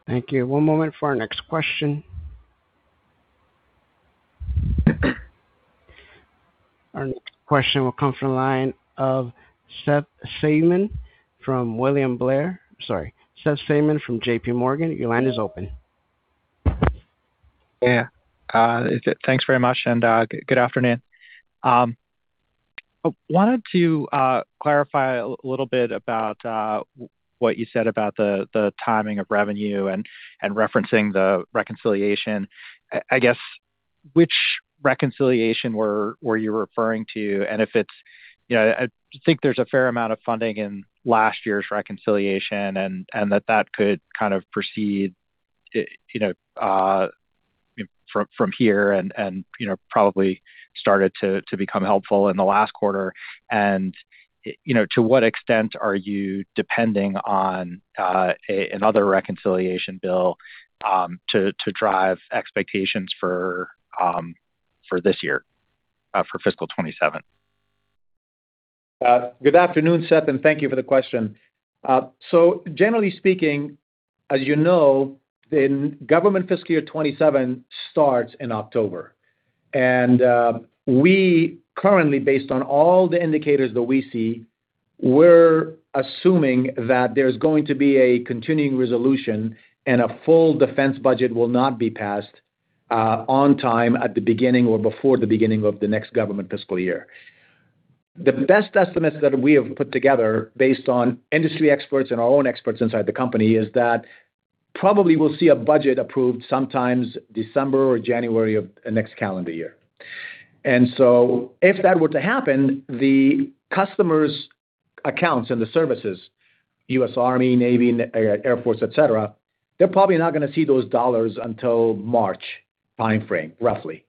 Thank you. One moment for our next question. Our next question will come from the line of Seth Seifman from William Blair. Sorry, Seth Seifman from J.P. Morgan. Your line is open. Yeah. Thanks very much. Good afternoon. I wanted to clarify a little bit about what you said about the timing of revenue and referencing the reconciliation. I guess, which reconciliation were you referring to? I think there's a fair amount of funding in last year's reconciliation, that could kind of proceed from here and probably started to become helpful in the last quarter. To what extent are you depending on another reconciliation bill to drive expectations for this year, for FY 2027? Good afternoon, Seth, thank you for the question. Generally speaking, as you know, the government FY 2027 starts in October. We currently, based on all the indicators that we see, we're assuming that there's going to be a continuing resolution and a full defense budget will not be passed on time at the beginning or before the beginning of the next government fiscal year. The best estimates that we have put together based on industry experts and our own experts inside the company is that probably we'll see a budget approved sometimes December or January of next calendar year. If that were to happen, the customers' accounts and the services, US Army, United States Navy, United States Air Force, et cetera, they're probably not going to see those dollars until March timeframe, roughly.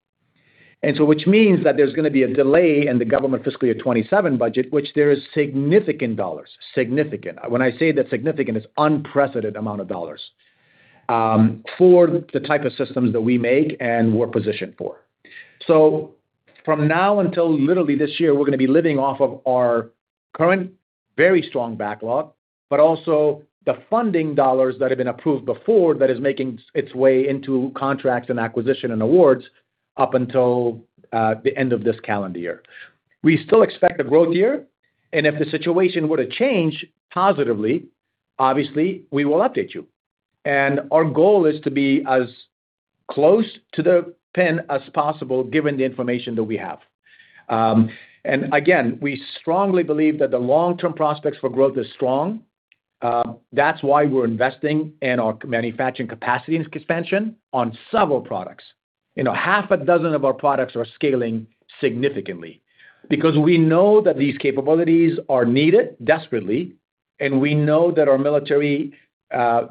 Which means that there's going to be a delay in the government FY 2027 budget, which there is significant dollars. Significant. When I say that significant, it's unprecedented amount of dollars for the type of systems that we make and we're positioned for. From now until literally this year, we're going to be living off of our current very strong backlog, but also the funding dollars that have been approved before that is making its way into contracts and acquisition and awards up until the end of this calendar year. We still expect a growth year, if the situation were to change positively, obviously, we will update you. Our goal is to be as close to the pin as possible given the information that we have. Again, we strongly believe that the long-term prospects for growth are strong. That's why we're investing in our manufacturing capacity expansion on several products. Half a dozen of our products are scaling significantly. We know that these capabilities are needed desperately, we know that our military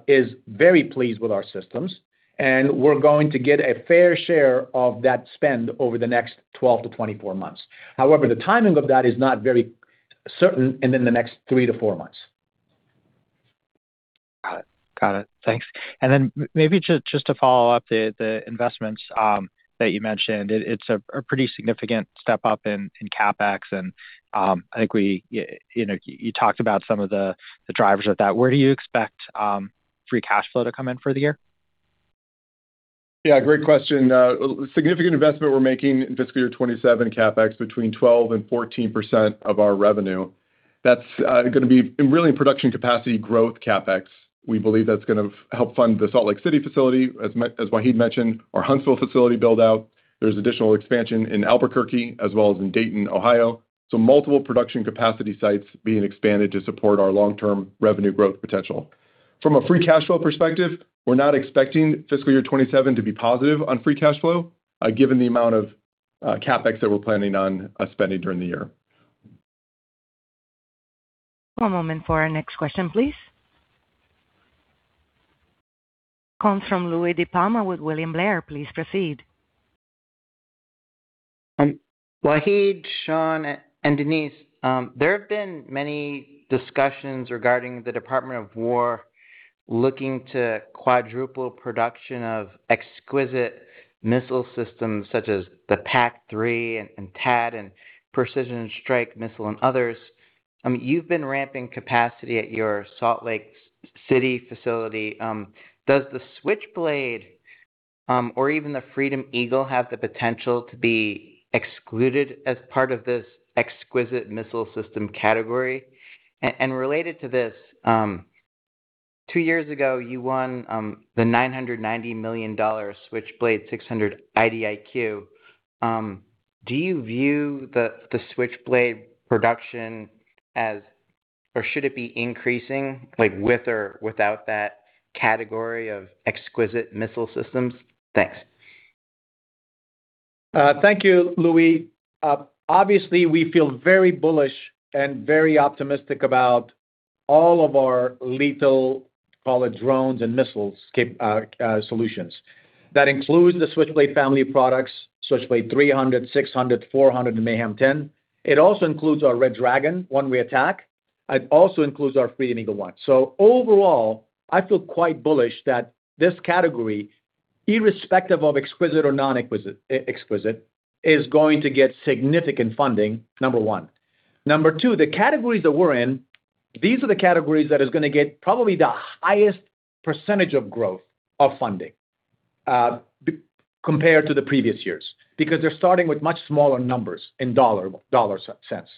is very pleased with our systems, and we're going to get a fair share of that spend over the next 12 to 24 months. However, the timing of that is not very certain, in the next three to four months. Got it. Thanks. Maybe just to follow up the investments that you mentioned, it's a pretty significant step up in CapEx, and I think you talked about some of the drivers of that. Where do you expect free cash flow to come in for the year? Yeah, great question. Significant investment we're making in fiscal year 2027 CapEx, between 12%-14% of our revenue. That's going to be really in production capacity growth CapEx. We believe that's going to help fund the Salt Lake City facility, as Wahid mentioned, our Huntsville facility build-out. There's additional expansion in Albuquerque as well as in Dayton, Ohio. Multiple production capacity sites being expanded to support our long-term revenue growth potential. From a free cash flow perspective, we're not expecting fiscal year 2027 to be positive on free cash flow, given the amount of CapEx that we're planning on spending during the year. One moment for our next question, please. Call from Louie DiPalma with William Blair. Please proceed. Wahid, Sean, and Denise. There have been many discussions regarding the US Department of Defense looking to quadruple production of exquisite missile systems such as the PAC-3 and THAAD and Precision Strike Missile and others. You've been ramping capacity at your Salt Lake City facility. Does the Switchblade or even the Freedom Eagle have the potential to be excluded as part of this exquisite missile system category? Related to this, two years ago, you won the $990 million Switchblade 600 IDIQ. Do you view the Switchblade production as, or should it be increasing, with or without that category of exquisite missile systems? Thanks. Thank you, Louie. Obviously, we feel very bullish and very optimistic about all of our lethal, call it drones and missiles, solutions. That includes the Switchblade family of products, Switchblade 300, 600, 400, and MAYHEM 10. It also includes our Red Dragon one-way attack. It also includes our Freedom Eagle-1. Overall, I feel quite bullish that this category, irrespective of exquisite or non-exquisite, is going to get significant funding, number one. Number two, the categories that we're in, these are the categories that is going to get probably the highest percentage of growth of funding, compared to the previous years. Because they're starting with much smaller numbers in dollar sense.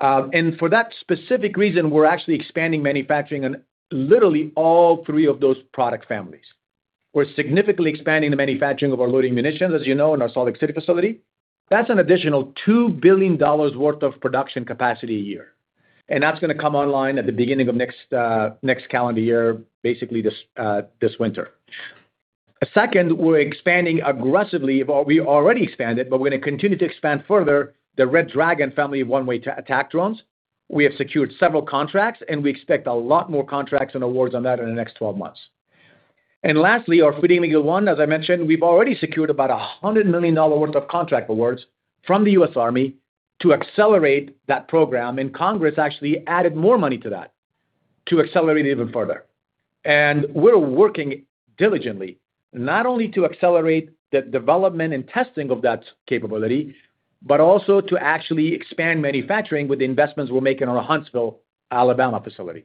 For that specific reason, we're actually expanding manufacturing in literally all three of those product families. We're significantly expanding the manufacturing of our loitering munitions, as you know, in our Salt Lake City facility. That's an additional $2 billion worth of production capacity a year. That's going to come online at the beginning of next calendar year, basically this winter. Second, we're expanding aggressively. We already expanded, but we're going to continue to expand further the Red Dragon family of one-way attack drones. We have secured several contracts, and we expect a lot more contracts and awards on that in the next 12 months. Lastly, our Freedom Eagle-1, as I mentioned, we've already secured about $100 million worth of contract awards from the U.S. Army to accelerate that program, and Congress actually added more money to that to accelerate it even further. We're working diligently, not only to accelerate the development and testing of that capability, but also to actually expand manufacturing with the investments we're making on our Huntsville, Alabama, facility.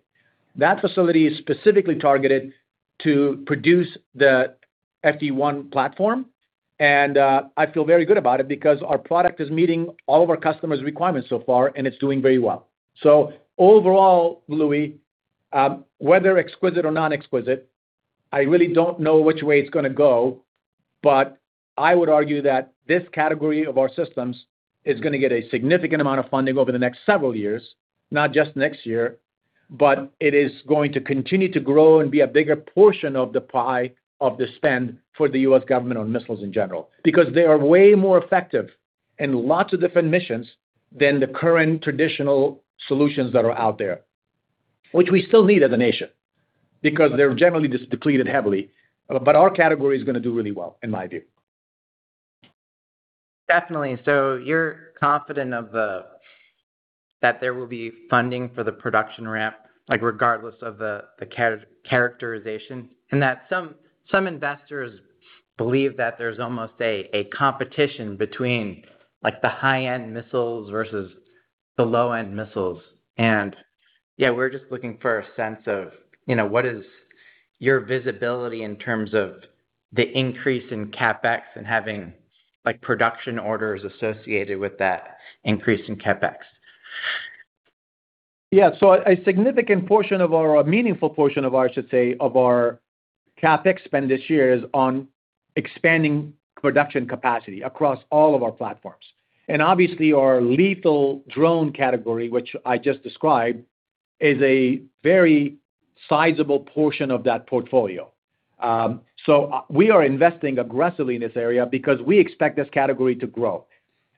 That facility is specifically targeted to produce the FD-1 platform. I feel very good about it because our product is meeting all of our customers' requirements so far, and it's doing very well. Overall, Louie, whether exquisite or non-exquisite, I really don't know which way it's going to go. I would argue that this category of our systems is going to get a significant amount of funding over the next several years, not just next year. It is going to continue to grow and be a bigger portion of the pie of the spend for the U.S. government on missiles in general. Because they are way more effective in lots of different missions than the current traditional solutions that are out there. Which we still need as a nation because they're generally just depleted heavily. Our category is going to do really well, in my view. Definitely. You're confident that there will be funding for the production ramp, regardless of the characterization. That some investors believe that there's almost a competition between the high-end missiles versus the low-end missiles. Yeah, we're just looking for a sense of what is your visibility in terms of the increase in CapEx and having production orders associated with that increase in CapEx. Yeah. A meaningful portion, I should say, of our CapEx spend this year is on expanding production capacity across all of our platforms. Obviously, our lethal drone category, which I just described, is a very sizable portion of that portfolio. We are investing aggressively in this area because we expect this category to grow.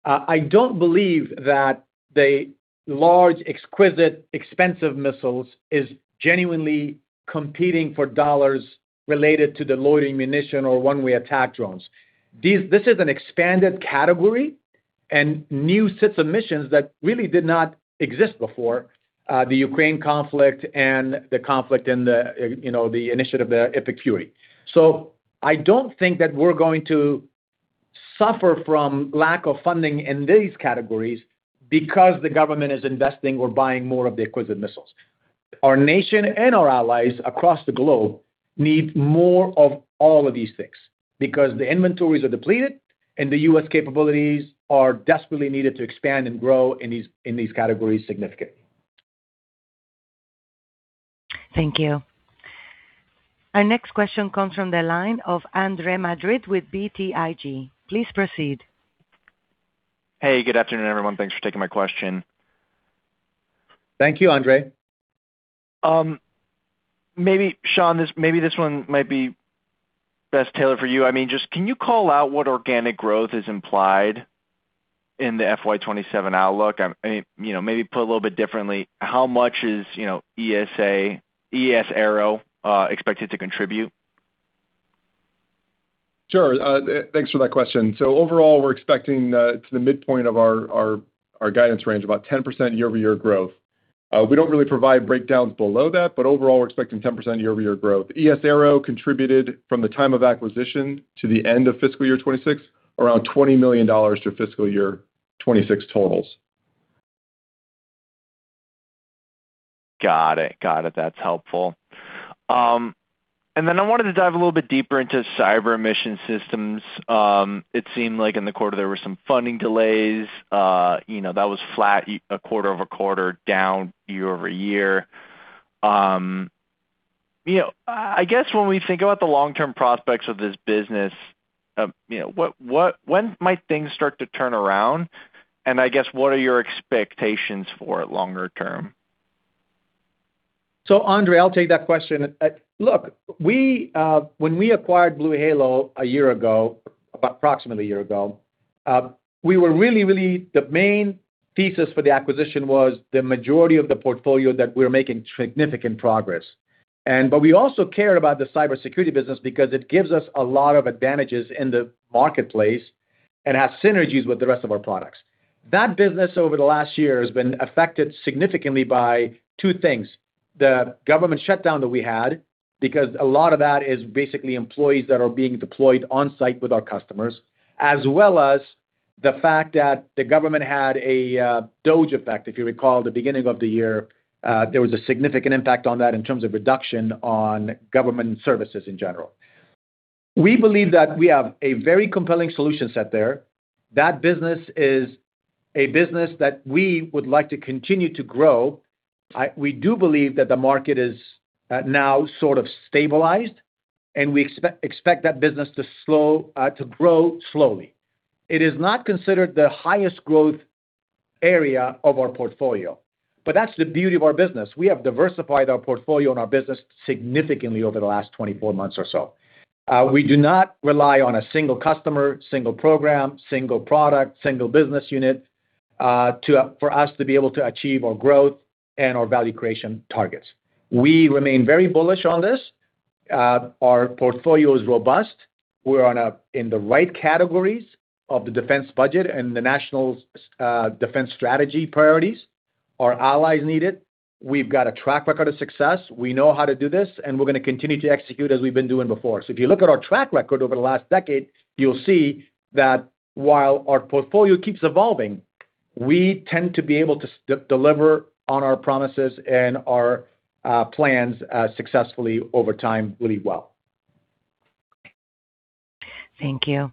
I don't believe that the large, exquisite, expensive missiles is genuinely competing for dollars related to the loitering munition or one-way attack drones. This is an expanded category and new sets of missions that really did not exist before the Ukraine conflict and the conflict in the initiative, the Operation Epic Fury. I don't think that we're going to suffer from lack of funding in these categories because the government is investing or buying more of the exquisite missiles. Our nation and our allies across the globe need more of all of these things because the inventories are depleted, and the U.S. capabilities are desperately needed to expand and grow in these categories significantly. Thank you. Our next question comes from the line of Andre Madrid with BTIG. Please proceed. Hey, good afternoon, everyone. Thanks for taking my question. Thank you, Andre. Sean, maybe this one might be best tailored for you. Just can you call out what organic growth is implied in the FY 2027 outlook? Maybe put a little bit differently, how much is ES Aero expected to contribute? Sure. Thanks for that question. Overall, we're expecting to the midpoint of our guidance range, about 10% year-over-year growth. We don't really provide breakdowns below that, but overall, we're expecting 10% year-over-year growth. ES Aero contributed from the time of acquisition to the end of fiscal year 2026, around $20 million to fiscal year 2026 totals. Got it. That's helpful. Then I wanted to dive a little bit deeper into cyber mission systems. It seemed like in the quarter, there were some funding delays. That was flat quarter-over-quarter, down year-over-year. I guess when we think about the long-term prospects of this business, when might things start to turn around? I guess, what are your expectations for it longer term? Andre, I'll take that question. Look, when we acquired BlueHalo a year ago, approximately a year ago, the main thesis for the acquisition was the majority of the portfolio that we were making significant progress. We also care about the cybersecurity business because it gives us a lot of advantages in the marketplace and has synergies with the rest of our products. That business over the last year has been affected significantly by two things, the government shutdown that we had, because a lot of that is basically employees that are being deployed on site with our customers, as well as the fact that the government had a DOGE effect. If you recall, the beginning of the year there was a significant impact on that in terms of reduction on government services in general. We believe that we have a very compelling solution set there. That business is a business that we would like to continue to grow. We do believe that the market is now sort of stabilized, we expect that business to grow slowly. It is not considered the highest growth area of our portfolio. That's the beauty of our business. We have diversified our portfolio and our business significantly over the last 24 months or so. We do not rely on a single customer, single program, single product, single business unit for us to be able to achieve our growth and our value creation targets. We remain very bullish on this. Our portfolio is robust. We're in the right categories of the defense budget and the national defense strategy priorities. Our allies need it. We've got a track record of success. We know how to do this, and we're going to continue to execute as we've been doing before. If you look at our track record over the last decade, you'll see that while our portfolio keeps evolving, we tend to be able to deliver on our promises and our plans successfully over time really well. Thank you.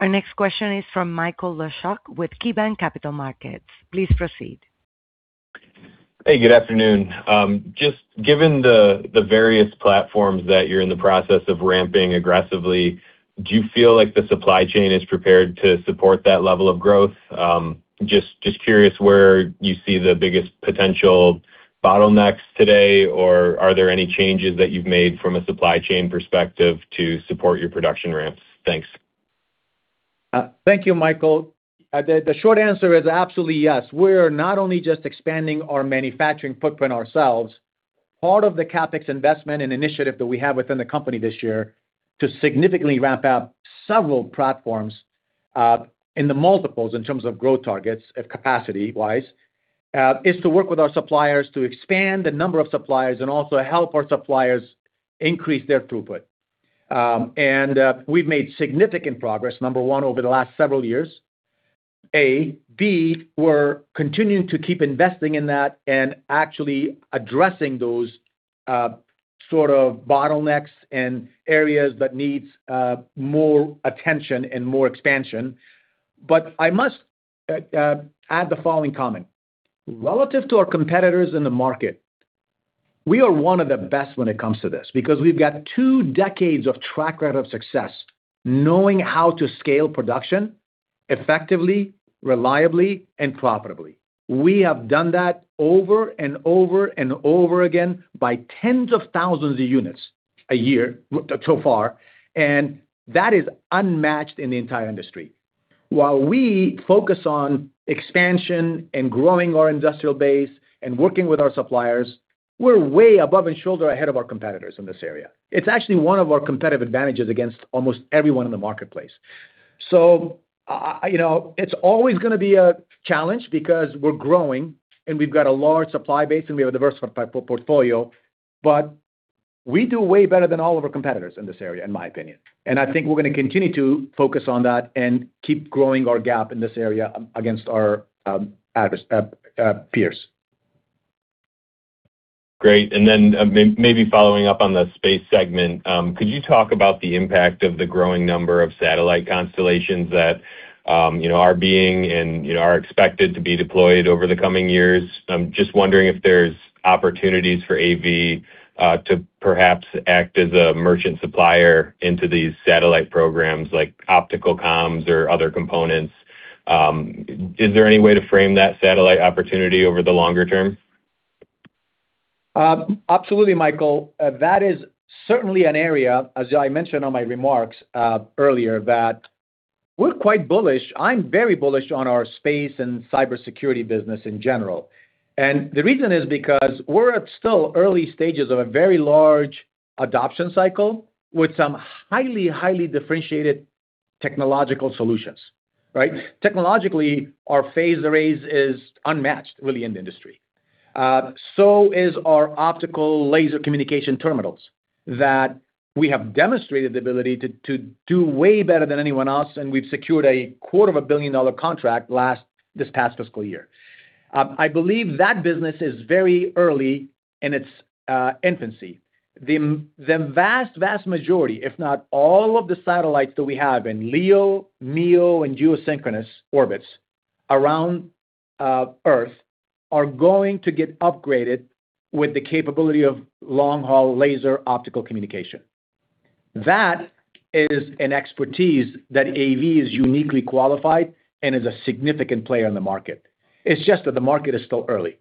Our next question is from Michael Leshock with KeyBanc Capital Markets. Please proceed. Hey, good afternoon. Just given the various platforms that you're in the process of ramping aggressively, do you feel like the supply chain is prepared to support that level of growth? Just curious where you see the biggest potential bottlenecks today, are there any changes that you've made from a supply chain perspective to support your production ramps? Thanks. Thank you, Michael. The short answer is absolutely yes. We're not only just expanding our manufacturing footprint ourselves. Part of the CapEx investment and initiative that we have within the company this year to significantly ramp up several platforms in the multiples in terms of growth targets, capacity-wise, is to work with our suppliers to expand the number of suppliers and also help our suppliers increase their throughput. We've made significant progress, number one, over the last several years, we're continuing to keep investing in that and actually addressing those sort of bottlenecks and areas that needs more attention and more expansion. I must add the following comment. Relative to our competitors in the market, we are one of the best when it comes to this, because we've got two decades of track record of success, knowing how to scale production effectively, reliably, and profitably. We have done that over and over and over again by tens of thousands of units a year so far, that is unmatched in the entire industry. While we focus on expansion and growing our industrial base and working with our suppliers, we're way above and shoulder ahead of our competitors in this area. It's actually one of our competitive advantages against almost everyone in the marketplace. It's always going to be a challenge because we're growing, and we've got a large supply base, and we have a diversified portfolio. We do way better than all of our competitors in this area, in my opinion. I think we're going to continue to focus on that and keep growing our gap in this area against our peers. Great. Then maybe following up on the space segment, could you talk about the impact of the growing number of satellite constellations that are being and are expected to be deployed over the coming years? I'm just wondering if there's opportunities for AV to perhaps act as a merchant supplier into these satellite programs, like optical comms or other components. Is there any way to frame that satellite opportunity over the longer term? Absolutely, Michael. That is certainly an area, as I mentioned on my remarks earlier, that we're quite bullish. I'm very bullish on our space and cybersecurity business in general. The reason is because we're at still early stages of a very large adoption cycle with some highly differentiated technological solutions, right? Technologically, our phased arrays is unmatched, really, in the industry. So is our optical laser communication terminals that we have demonstrated the ability to do way better than anyone else, and we've secured a quarter of a billion-dollar contract this past fiscal year. I believe that business is very early in its infancy. The vast majority, if not all of the satellites that we have in LEO, MEO, and geosynchronous orbits around Earth, are going to get upgraded with the capability of long-haul laser optical communication. That is an expertise that AV is uniquely qualified and is a significant player in the market. It's just that the market is still early.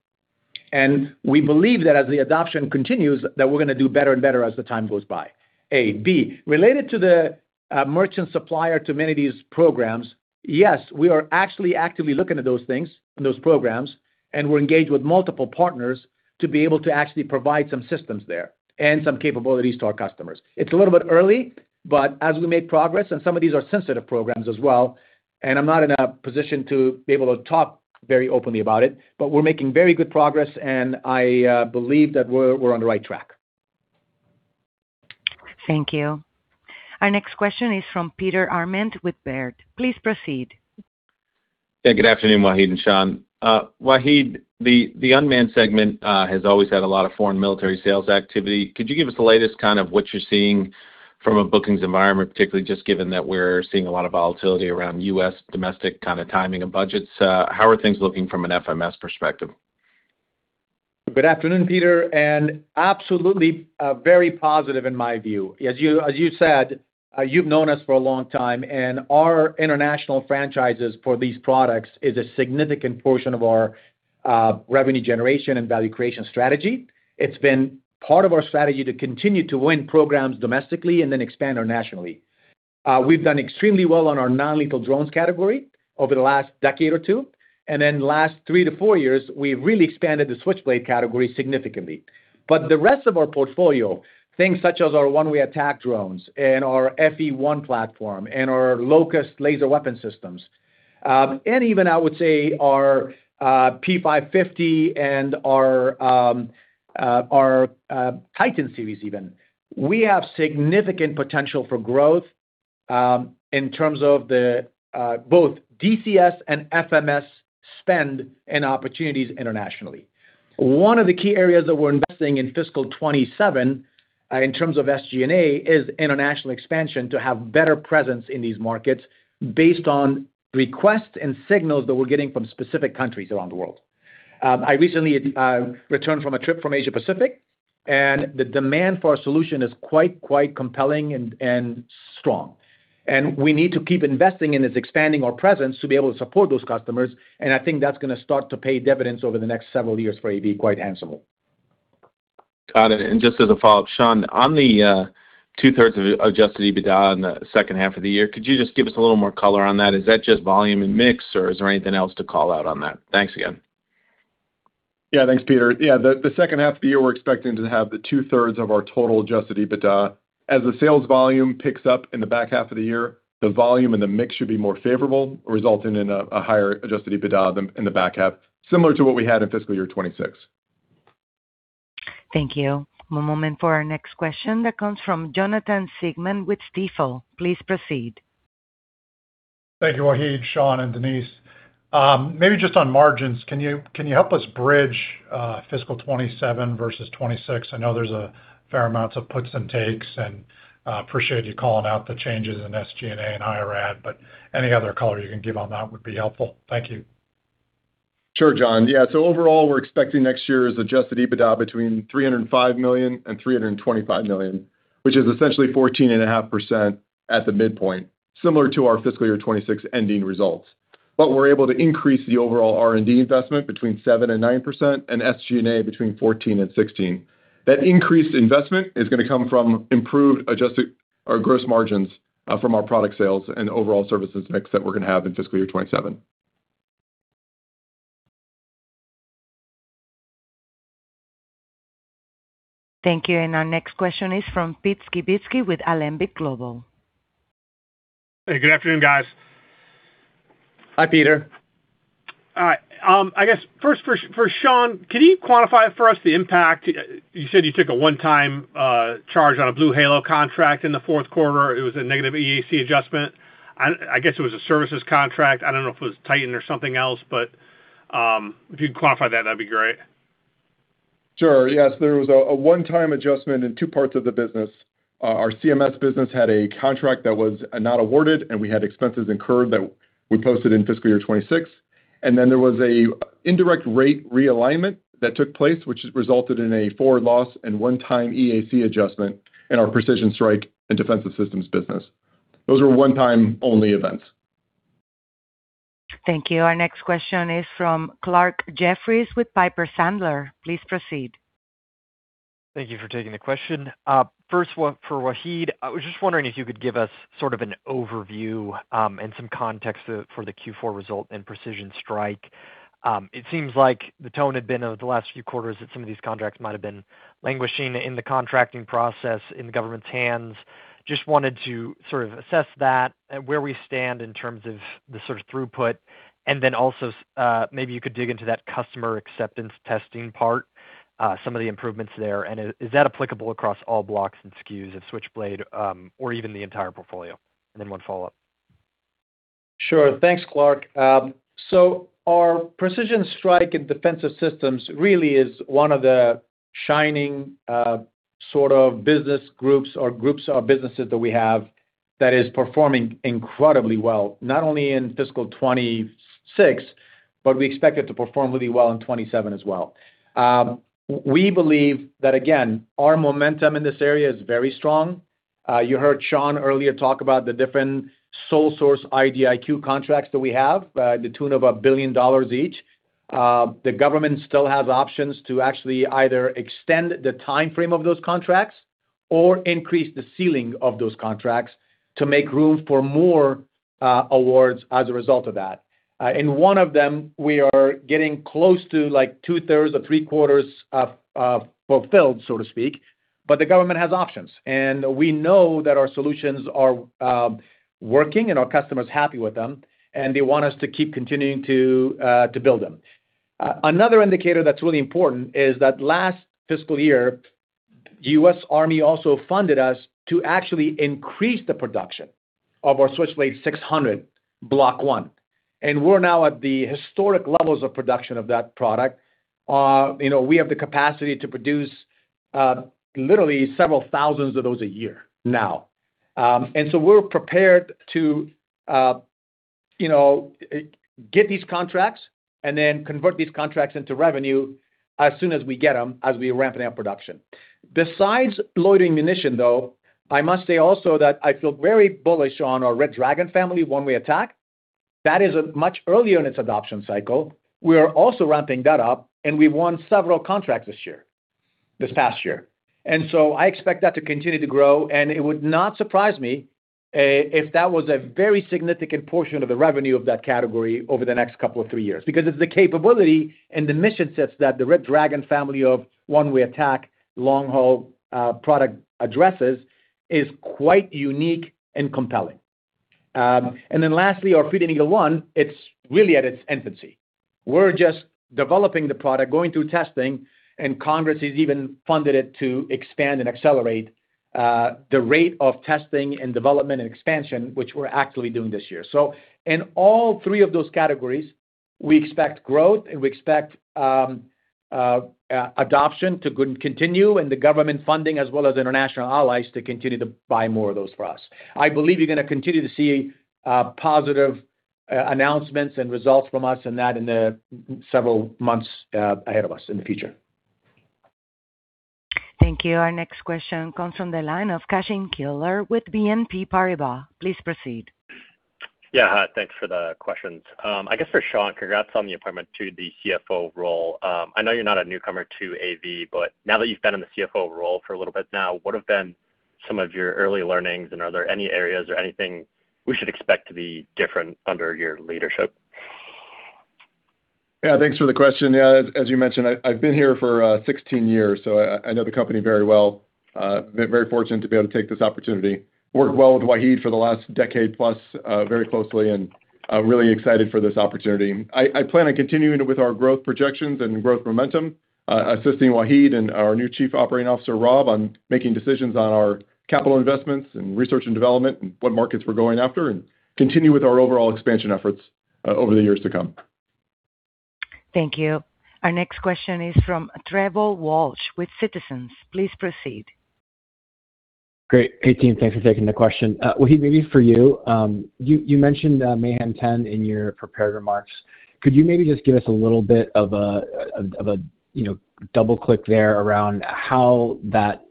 We believe that as the adoption continues, that we're going to do better and better as the time goes by, A. B, related to the merchant supplier to many of these programs, yes, we are actually actively looking at those things and those programs, and we're engaged with multiple partners to be able to actually provide some systems there and some capabilities to our customers. It's a little bit early, but as we make progress, and some of these are sensitive programs as well, and I'm not in a position to be able to talk very openly about it, but we're making very good progress, and I believe that we're on the right track. Thank you. Our next question is from Peter Arment with Baird. Please proceed. Good afternoon, Wahid and Sean. Wahid, the unmanned segment has always had a lot of foreign military sales activity. Could you give us the latest kind of what you're seeing from a bookings environment, particularly just given that we're seeing a lot of volatility around U.S. domestic kind of timing and budgets? How are things looking from an FMS perspective? Good afternoon, Peter. Absolutely very positive in my view. As you said, you've known us for a long time, our international franchises for these products is a significant portion of our revenue generation and value creation strategy. It's been part of our strategy to continue to win programs domestically and then expand internationally. We've done extremely well on our non-lethal drones category over the last decade or two. The last three to four years, we've really expanded the Switchblade category significantly. The rest of our portfolio, things such as our one-way attack drones and our FE-1 platform and our LOCUST laser weapon systems, and even I would say our P550 and our Titan series even, we have significant potential for growth in terms of both DCS and FMS spend and opportunities internationally. One of the key areas that we're investing in fiscal 2027, in terms of SG&A, is international expansion to have better presence in these markets based on requests and signals that we're getting from specific countries around the world. I recently returned from a trip from Asia-Pacific, the demand for our solution is quite compelling and strong. We need to keep investing in this, expanding our presence to be able to support those customers, I think that's going to start to pay dividends over the next several years for AV quite handsomely. Got it. Just as a follow-up, Sean, on the two-thirds of adjusted EBITDA in the second half of the year, could you just give us a little more color on that? Is that just volume and mix, or is there anything else to call out on that? Thanks again. Thanks, Peter. The second half of the year, we're expecting to have the two-thirds of our total adjusted EBITDA. As the sales volume picks up in the back half of the year, the volume and the mix should be more favorable, resulting in a higher adjusted EBITDA than in the back half, similar to what we had in fiscal year 2026. Thank you. One moment for our next question that comes from Jonathan Siegmann with Stifel. Please proceed. Thank you, Wahid, Sean, and Denise. Just on margins, can you help us bridge fiscal 2027 versus 2026? I know there's a fair amount of puts and takes, and appreciate you calling out the changes in SG&A and IRAD, but any other color you can give on that would be helpful. Thank you. Sure, John. Overall, we're expecting next year's adjusted EBITDA between $305 million and $325 million, which is essentially 14.5% at the midpoint, similar to our fiscal year 2026 ending results. We're able to increase the overall R&D investment between 7%-9%, and SG&A between 14%-16%. That increased investment is going to come from improved gross margins from our product sales and overall services mix that we're going to have in fiscal year 2027. Thank you. Our next question is from Pete Skibitski with Alembic Global. Hey, good afternoon, guys. Hi, Peter. All right. I guess first for Sean, can you quantify for us the impact? You said you took a one-time charge on a BlueHalo contract in the fourth quarter. It was a negative EAC adjustment. I guess it was a services contract. I don't know if it was Titan or something else, but, if you could quantify that would be great. Sure. Yes. There was a one-time adjustment in two parts of the business. Our CMS business had a contract that was not awarded, and we had expenses incurred that we posted in fiscal year 2026. There was an indirect rate realignment that took place, which resulted in a forward loss and one-time EAC adjustment in our Precision Strike and Defensive Systems business. Those were one-time only events. Thank you. Our next question is from Clark Jeffries with Piper Sandler. Please proceed. Thank you for taking the question. First one for Wahid. I was just wondering if you could give us sort of an overview, and some context for the Q4 result and Precision Strike. It seems like the tone had been over the last few quarters that some of these contracts might have been languishing in the contracting process in the government's hands. Just wanted to sort of assess that and where we stand in terms of the sort of throughput. Also, maybe you could dig into that customer acceptance testing part, some of the improvements there. Is that applicable across all blocks and SKUs of Switchblade, or even the entire portfolio? Then one follow-up. Sure. Thanks, Clark. Our Precision Strike and Defensive Systems really is one of the shining sort of business groups or groups of businesses that we have that is performing incredibly well, not only in fiscal 2026, but we expect it to perform really well in 2027 as well. We believe that, again, our momentum in this area is very strong. You heard Sean earlier talk about the different sole source IDIQ contracts that we have, the tune of $1 billion each. The government still has options to actually either extend the timeframe of those contracts or increase the ceiling of those contracts to make room for more awards as a result of that. In one of them, we are getting close to two-thirds or three-quarters fulfilled, so to speak, but the government has options. We know that our solutions are working and our customers are happy with them. They want us to keep continuing to build them. Another indicator that is really important is that last fiscal year, U.S. Army also funded us to actually increase the production of our Switchblade 600 Block 1. We are now at the historic levels of production of that product. We have the capacity to produce literally several thousands of those a year now. We are prepared to get these contracts and then convert these contracts into revenue as soon as we get them, as we ramp up production. Besides loitering munition, though, I must say also that I feel very bullish on our Red Dragon family, one way attack. That is much earlier in its adoption cycle. We are also ramping that up, and we won several contracts this past year. I expect that to continue to grow, and it would not surprise me if that was a very significant portion of the revenue of that category over the next couple of three years. It is the capability and the mission sets that the Red Dragon family of one way attack long haul product addresses is quite unique and compelling. Lastly, our Freedom Eagle-1, it is really at its infancy. We are just developing the product, going through testing, and Congress has even funded it to expand and accelerate the rate of testing and development and expansion, which we are actively doing this year. In all three of those categories, we expect growth, and we expect adoption to continue and the government funding as well as international allies to continue to buy more of those for us. I believe you are going to continue to see positive announcements and results from us on that in the several months ahead of us in the future. Thank you. Our next question comes from the line of Kashin Kichler with BNP Paribas. Please proceed. Yeah. Thanks for the questions. I guess for Sean, congrats on the appointment to the CFO role. I know you're not a newcomer to AV, but now that you've been in the CFO role for a little bit now, what have been some of your early learnings, and are there any areas or anything we should expect to be different under your leadership? Yeah, thanks for the question. As you mentioned, I've been here for 16 years, so I know the company very well. Very fortunate to be able to take this opportunity. Worked well with Wahid for the last decade plus very closely, and I'm really excited for this opportunity. I plan on continuing with our growth projections and growth momentum, assisting Wahid and our new chief operating officer, Rob, on making decisions on our capital investments and research and development and what markets we're going after and continue with our overall expansion efforts over the years to come. Thank you. Our next question is from Trevor Walsh with Citizens. Please proceed. Great. Hey, team. Thanks for taking the question. Wahid, maybe for you. You mentioned MAYHEM 10 in your prepared remarks. Could you maybe just give us a little bit of a double-click there around how that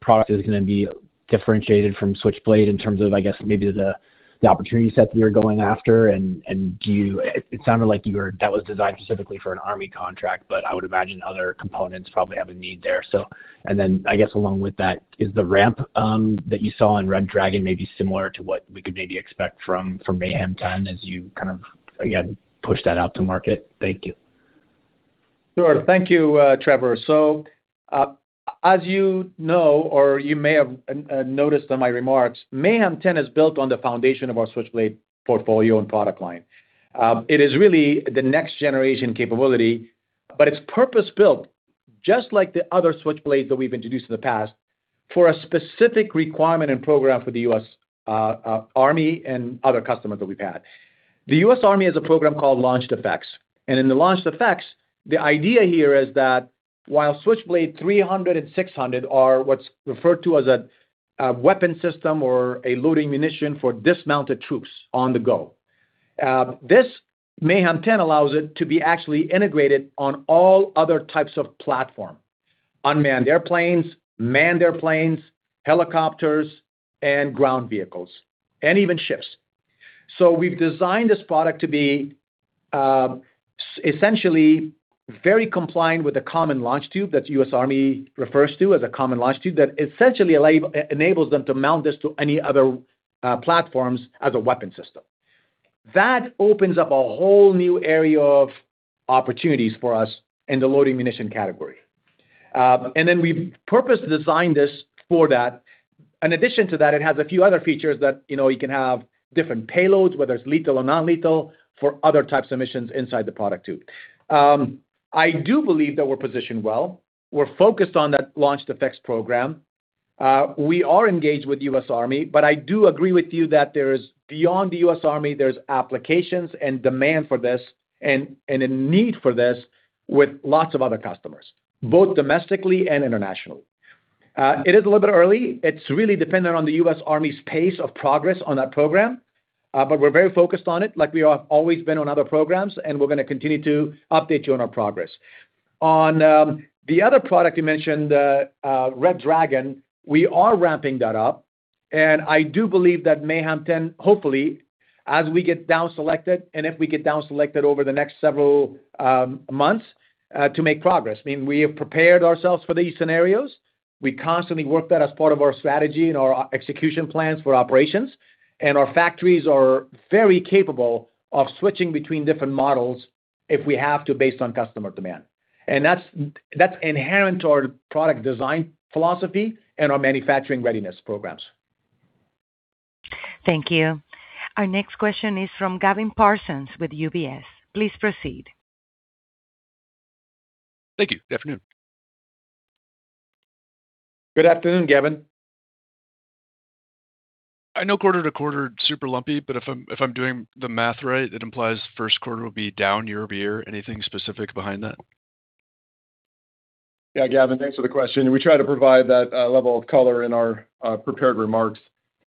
product is going to be differentiated from Switchblade in terms of, I guess, maybe the opportunity set that you're going after, and it sounded like that was designed specifically for an Army contract, but I would imagine other components probably have a need there. Then, I guess along with that, is the ramp that you saw in Red Dragon maybe similar to what we could maybe expect from MAYHEM 10 as you kind of, again, push that out to market? Thank you. Thank you, Trevor. As you know or you may have noticed in my remarks, MAYHEM 10 is built on the foundation of our Switchblade portfolio and product line. It is really the next generation capability, but it's purpose-built, just like the other Switchblades that we've introduced in the past, for a specific requirement and program for the US Army and other customers that we've had. The US Army has a program called Launched Effects, and in the Launched Effects, the idea here is that while Switchblade 300 and 600 are what's referred to as a weapon system or a loitering munition for dismounted troops on the go. This MAYHEM 10 allows it to be actually integrated on all other types of platform. Uncrewed airplanes, manned airplanes, helicopters, and ground vehicles, and even ships. We've designed this product to be essentially very compliant with the common launch tube that the US Army refers to as a common launch tube that essentially enables them to mount this to any other platforms as a weapon system. That opens up a whole new area of opportunities for us in the loitering munition category. We've purpose-designed this for that. In addition to that, it has a few other features that you can have different payloads, whether it's lethal or non-lethal, for other types of missions inside the product too. I do believe that we're positioned well. We're focused on that Launched Effects program. We are engaged with US Army, but I do agree with you that beyond the US Army, there's applications and demand for this and a need for this with lots of other customers, both domestically and internationally. It is a little bit early. It's really dependent on the US Army's pace of progress on that program. We're very focused on it like we have always been on other programs, and we're going to continue to update you on our progress. On the other product you mentioned, Red Dragon, we are ramping that up, and I do believe that MAYHEM 10, hopefully, as we get down-selected, and if we get down-selected over the next several months, to make progress. I mean, we have prepared ourselves for these scenarios. We constantly work that as part of our strategy and our execution plans for operations. Our factories are very capable of switching between different models if we have to based on customer demand. That's inherent to our product design philosophy and our manufacturing readiness programs. Thank you. Our next question is from Gavin Parsons with UBS. Please proceed. Thank you. Good afternoon. Good afternoon, Gavin. I know quarter-to-quarter is super lumpy, if I'm doing the math right, it implies first quarter will be down year-over-year. Anything specific behind that? Yeah. Gavin, thanks for the question. We try to provide that level of color in our prepared remarks.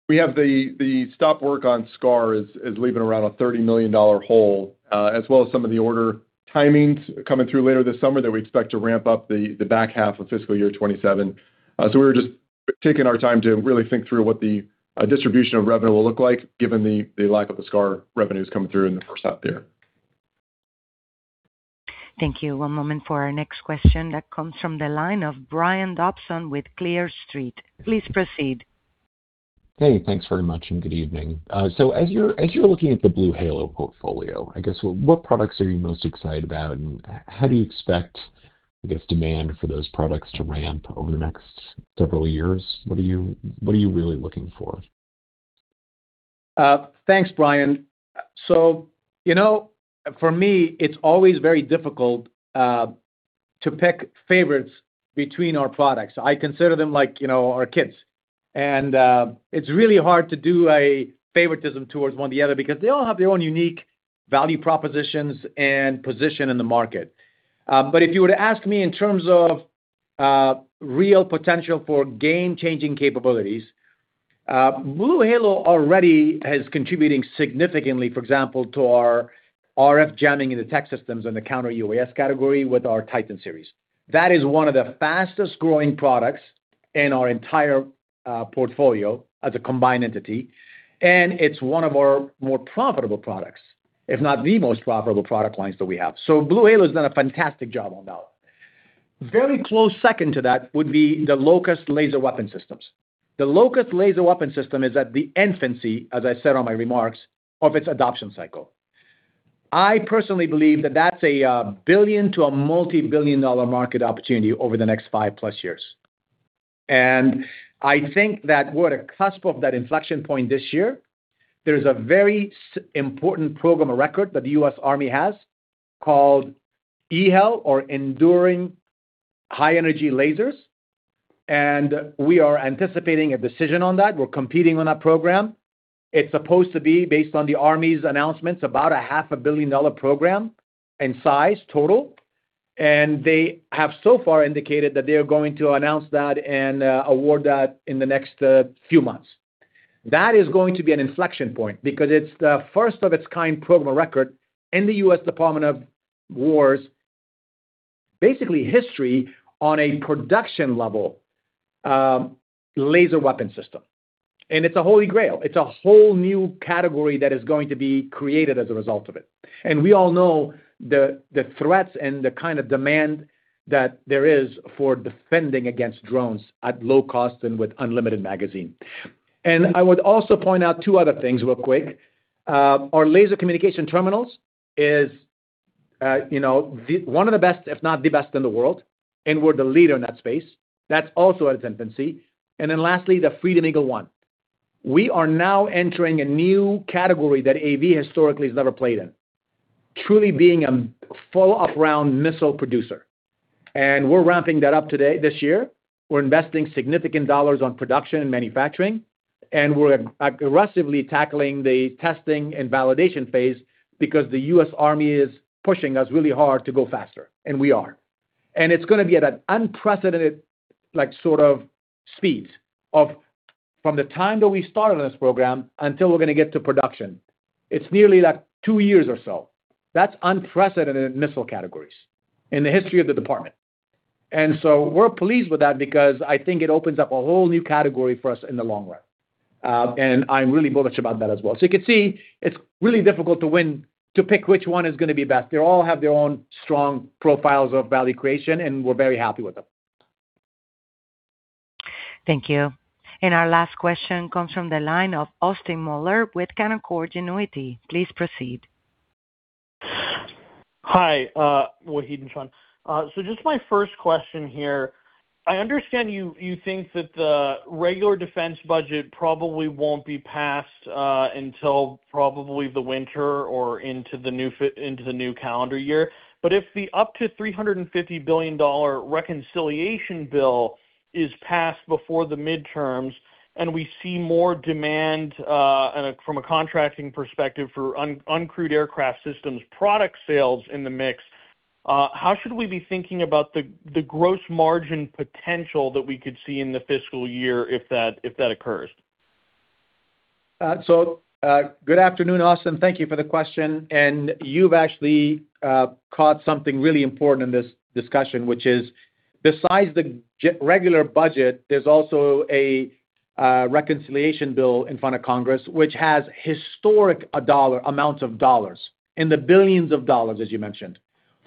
We have the stop work on SCAR is leaving around a $30 million hole, as well as some of the order timings coming through later this summer that we expect to ramp up the back half of fiscal year 2027. We're just taking our time to really think through what the distribution of revenue will look like given the lack of the SCAR revenues coming through in the first half there. Thank you. One moment for our next question that comes from the line of Brian Dobson with Clear Street. Please proceed. Hey, thanks very much, and good evening. As you're looking at the BlueHalo portfolio, I guess, what products are you most excited about, and how do you expect, I guess, demand for those products to ramp over the next several years? What are you really looking for? Thanks, Brian. For me, it's always very difficult to pick favorites between our products. I consider them like our kids. It's really hard to do a favoritism towards one or the other because they all have their own unique value propositions and position in the market. If you were to ask me in terms of real potential for game-changing capabilities, BlueHalo already is contributing significantly, for example, to our RF jamming in the tech systems in the counter-UAS category with our Titan series. That is one of the fastest-growing products in our entire portfolio as a combined entity, and it's one of our more profitable products, if not the most profitable product lines that we have. BlueHalo's done a fantastic job on that one. Very close second to that would be the LOCUST laser weapon systems. The LOCUST laser weapon system is at the infancy, as I said on my remarks, of its adoption cycle. I personally believe that that's a $1 billion to a multi-billion dollar market opportunity over the next five-plus years. I think that we're at a cusp of that inflection point this year. There's a very important program of record that the US Army has called EHEL or Enduring High Energy Lasers. We are anticipating a decision on that. We're competing on that program. It's supposed to be, based on the Army's announcements, about a half a billion-dollar program in size total. They have so far indicated that they are going to announce that and award that in the next few months. That is going to be an inflection point because it's the first of its kind program of record in the U.S. Department of Defense's, basically history on a production level, laser weapon system. It's a holy grail. It's a whole new category that is going to be created as a result of it. We all know the threats and the kind of demand that there is for defending against drones at low cost and with unlimited magazine. I would also point out two other things real quick. Our laser communication terminals is one of the best, if not the best in the world, and we're the leader in that space. That's also at infancy. Lastly, the Freedom Eagle-1. We are now entering a new category that AV historically has never played in, truly being a full upround missile producer. We're ramping that up this year. We're investing significant dollars on production and manufacturing, and we're aggressively tackling the testing and validation phase because the U.S. Army is pushing us really hard to go faster, and we are. It's going to be at an unprecedented sort of speed of from the time that we started on this program until we're going to get to production. It's nearly two years or so. That's unprecedented in missile categories in the history of the department. We're pleased with that because I think it opens up a whole new category for us in the long run. I'm really bullish about that as well. You can see it's really difficult to pick which one is going to be best. They all have their own strong profiles of value creation, and we're very happy with them. Thank you. Our last question comes from the line of Austin Moeller with Canaccord Genuity. Please proceed. Hi, Wahid and Sean. Just my first question here. I understand you think that the regular defense budget probably won't be passed until probably the winter or into the new calendar year. If the up to $350 billion reconciliation bill is passed before the midterms and we see more demand from a contracting perspective for uncrewed aircraft systems product sales in the mix, how should we be thinking about the gross margin potential that we could see in the fiscal year if that occurs? Good afternoon, Austin. Thank you for the question. You've actually caught something really important in this discussion, which is, besides the regular budget, there's also a reconciliation bill in front of Congress, which has historic amounts of dollars, in the $ billions, as you mentioned,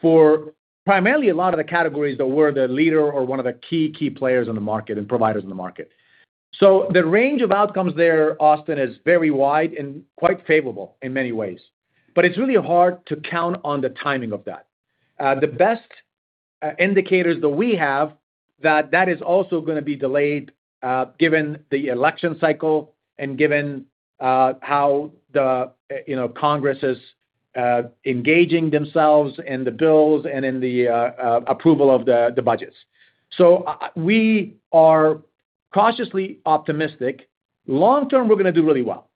for primarily a lot of the categories that we're the leader or one of the key players in the market and providers in the market. The range of outcomes there, Austin, is very wide and quite favorable in many ways. It's really hard to count on the timing of that. The best indicators that we have, that that is also going to be delayed, given the election cycle and given how the Congress is engaging themselves in the bills and in the approval of the budgets. We are cautiously optimistic. Long-term, we're going to do really well.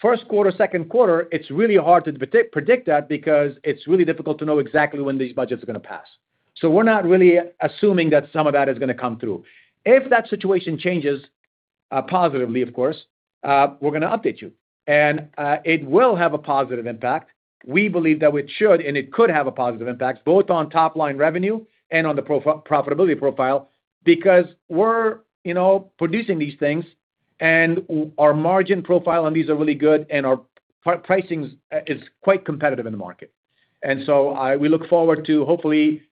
First quarter, second quarter, it's really hard to predict that because it's really difficult to know exactly when these budgets are going to pass. We're not really assuming that some of that is going to come through. If that situation changes positively, of course, we're going to update you. It will have a positive impact. We believe that it should, and it could have a positive impact, both on top-line revenue and on the profitability profile, because we're producing these things, and our margin profile on these are really good, and our pricing is quite competitive in the market. We look forward to hopefully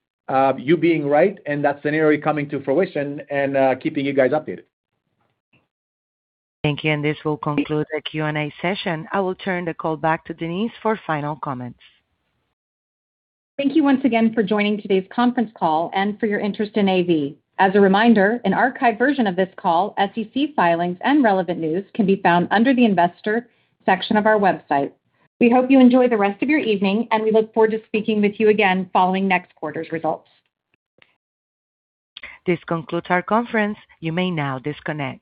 you being right and that scenario coming to fruition and keeping you guys updated. Thank you. This will conclude the Q&A session. I will turn the call back to Denise for final comments. Thank you once again for joining today's conference call and for your interest in AV. As a reminder, an archived version of this call, SEC filings, and relevant news can be found under the investor section of our website. We hope you enjoy the rest of your evening and we look forward to speaking with you again following next quarter's results. This concludes our conference. You may now disconnect.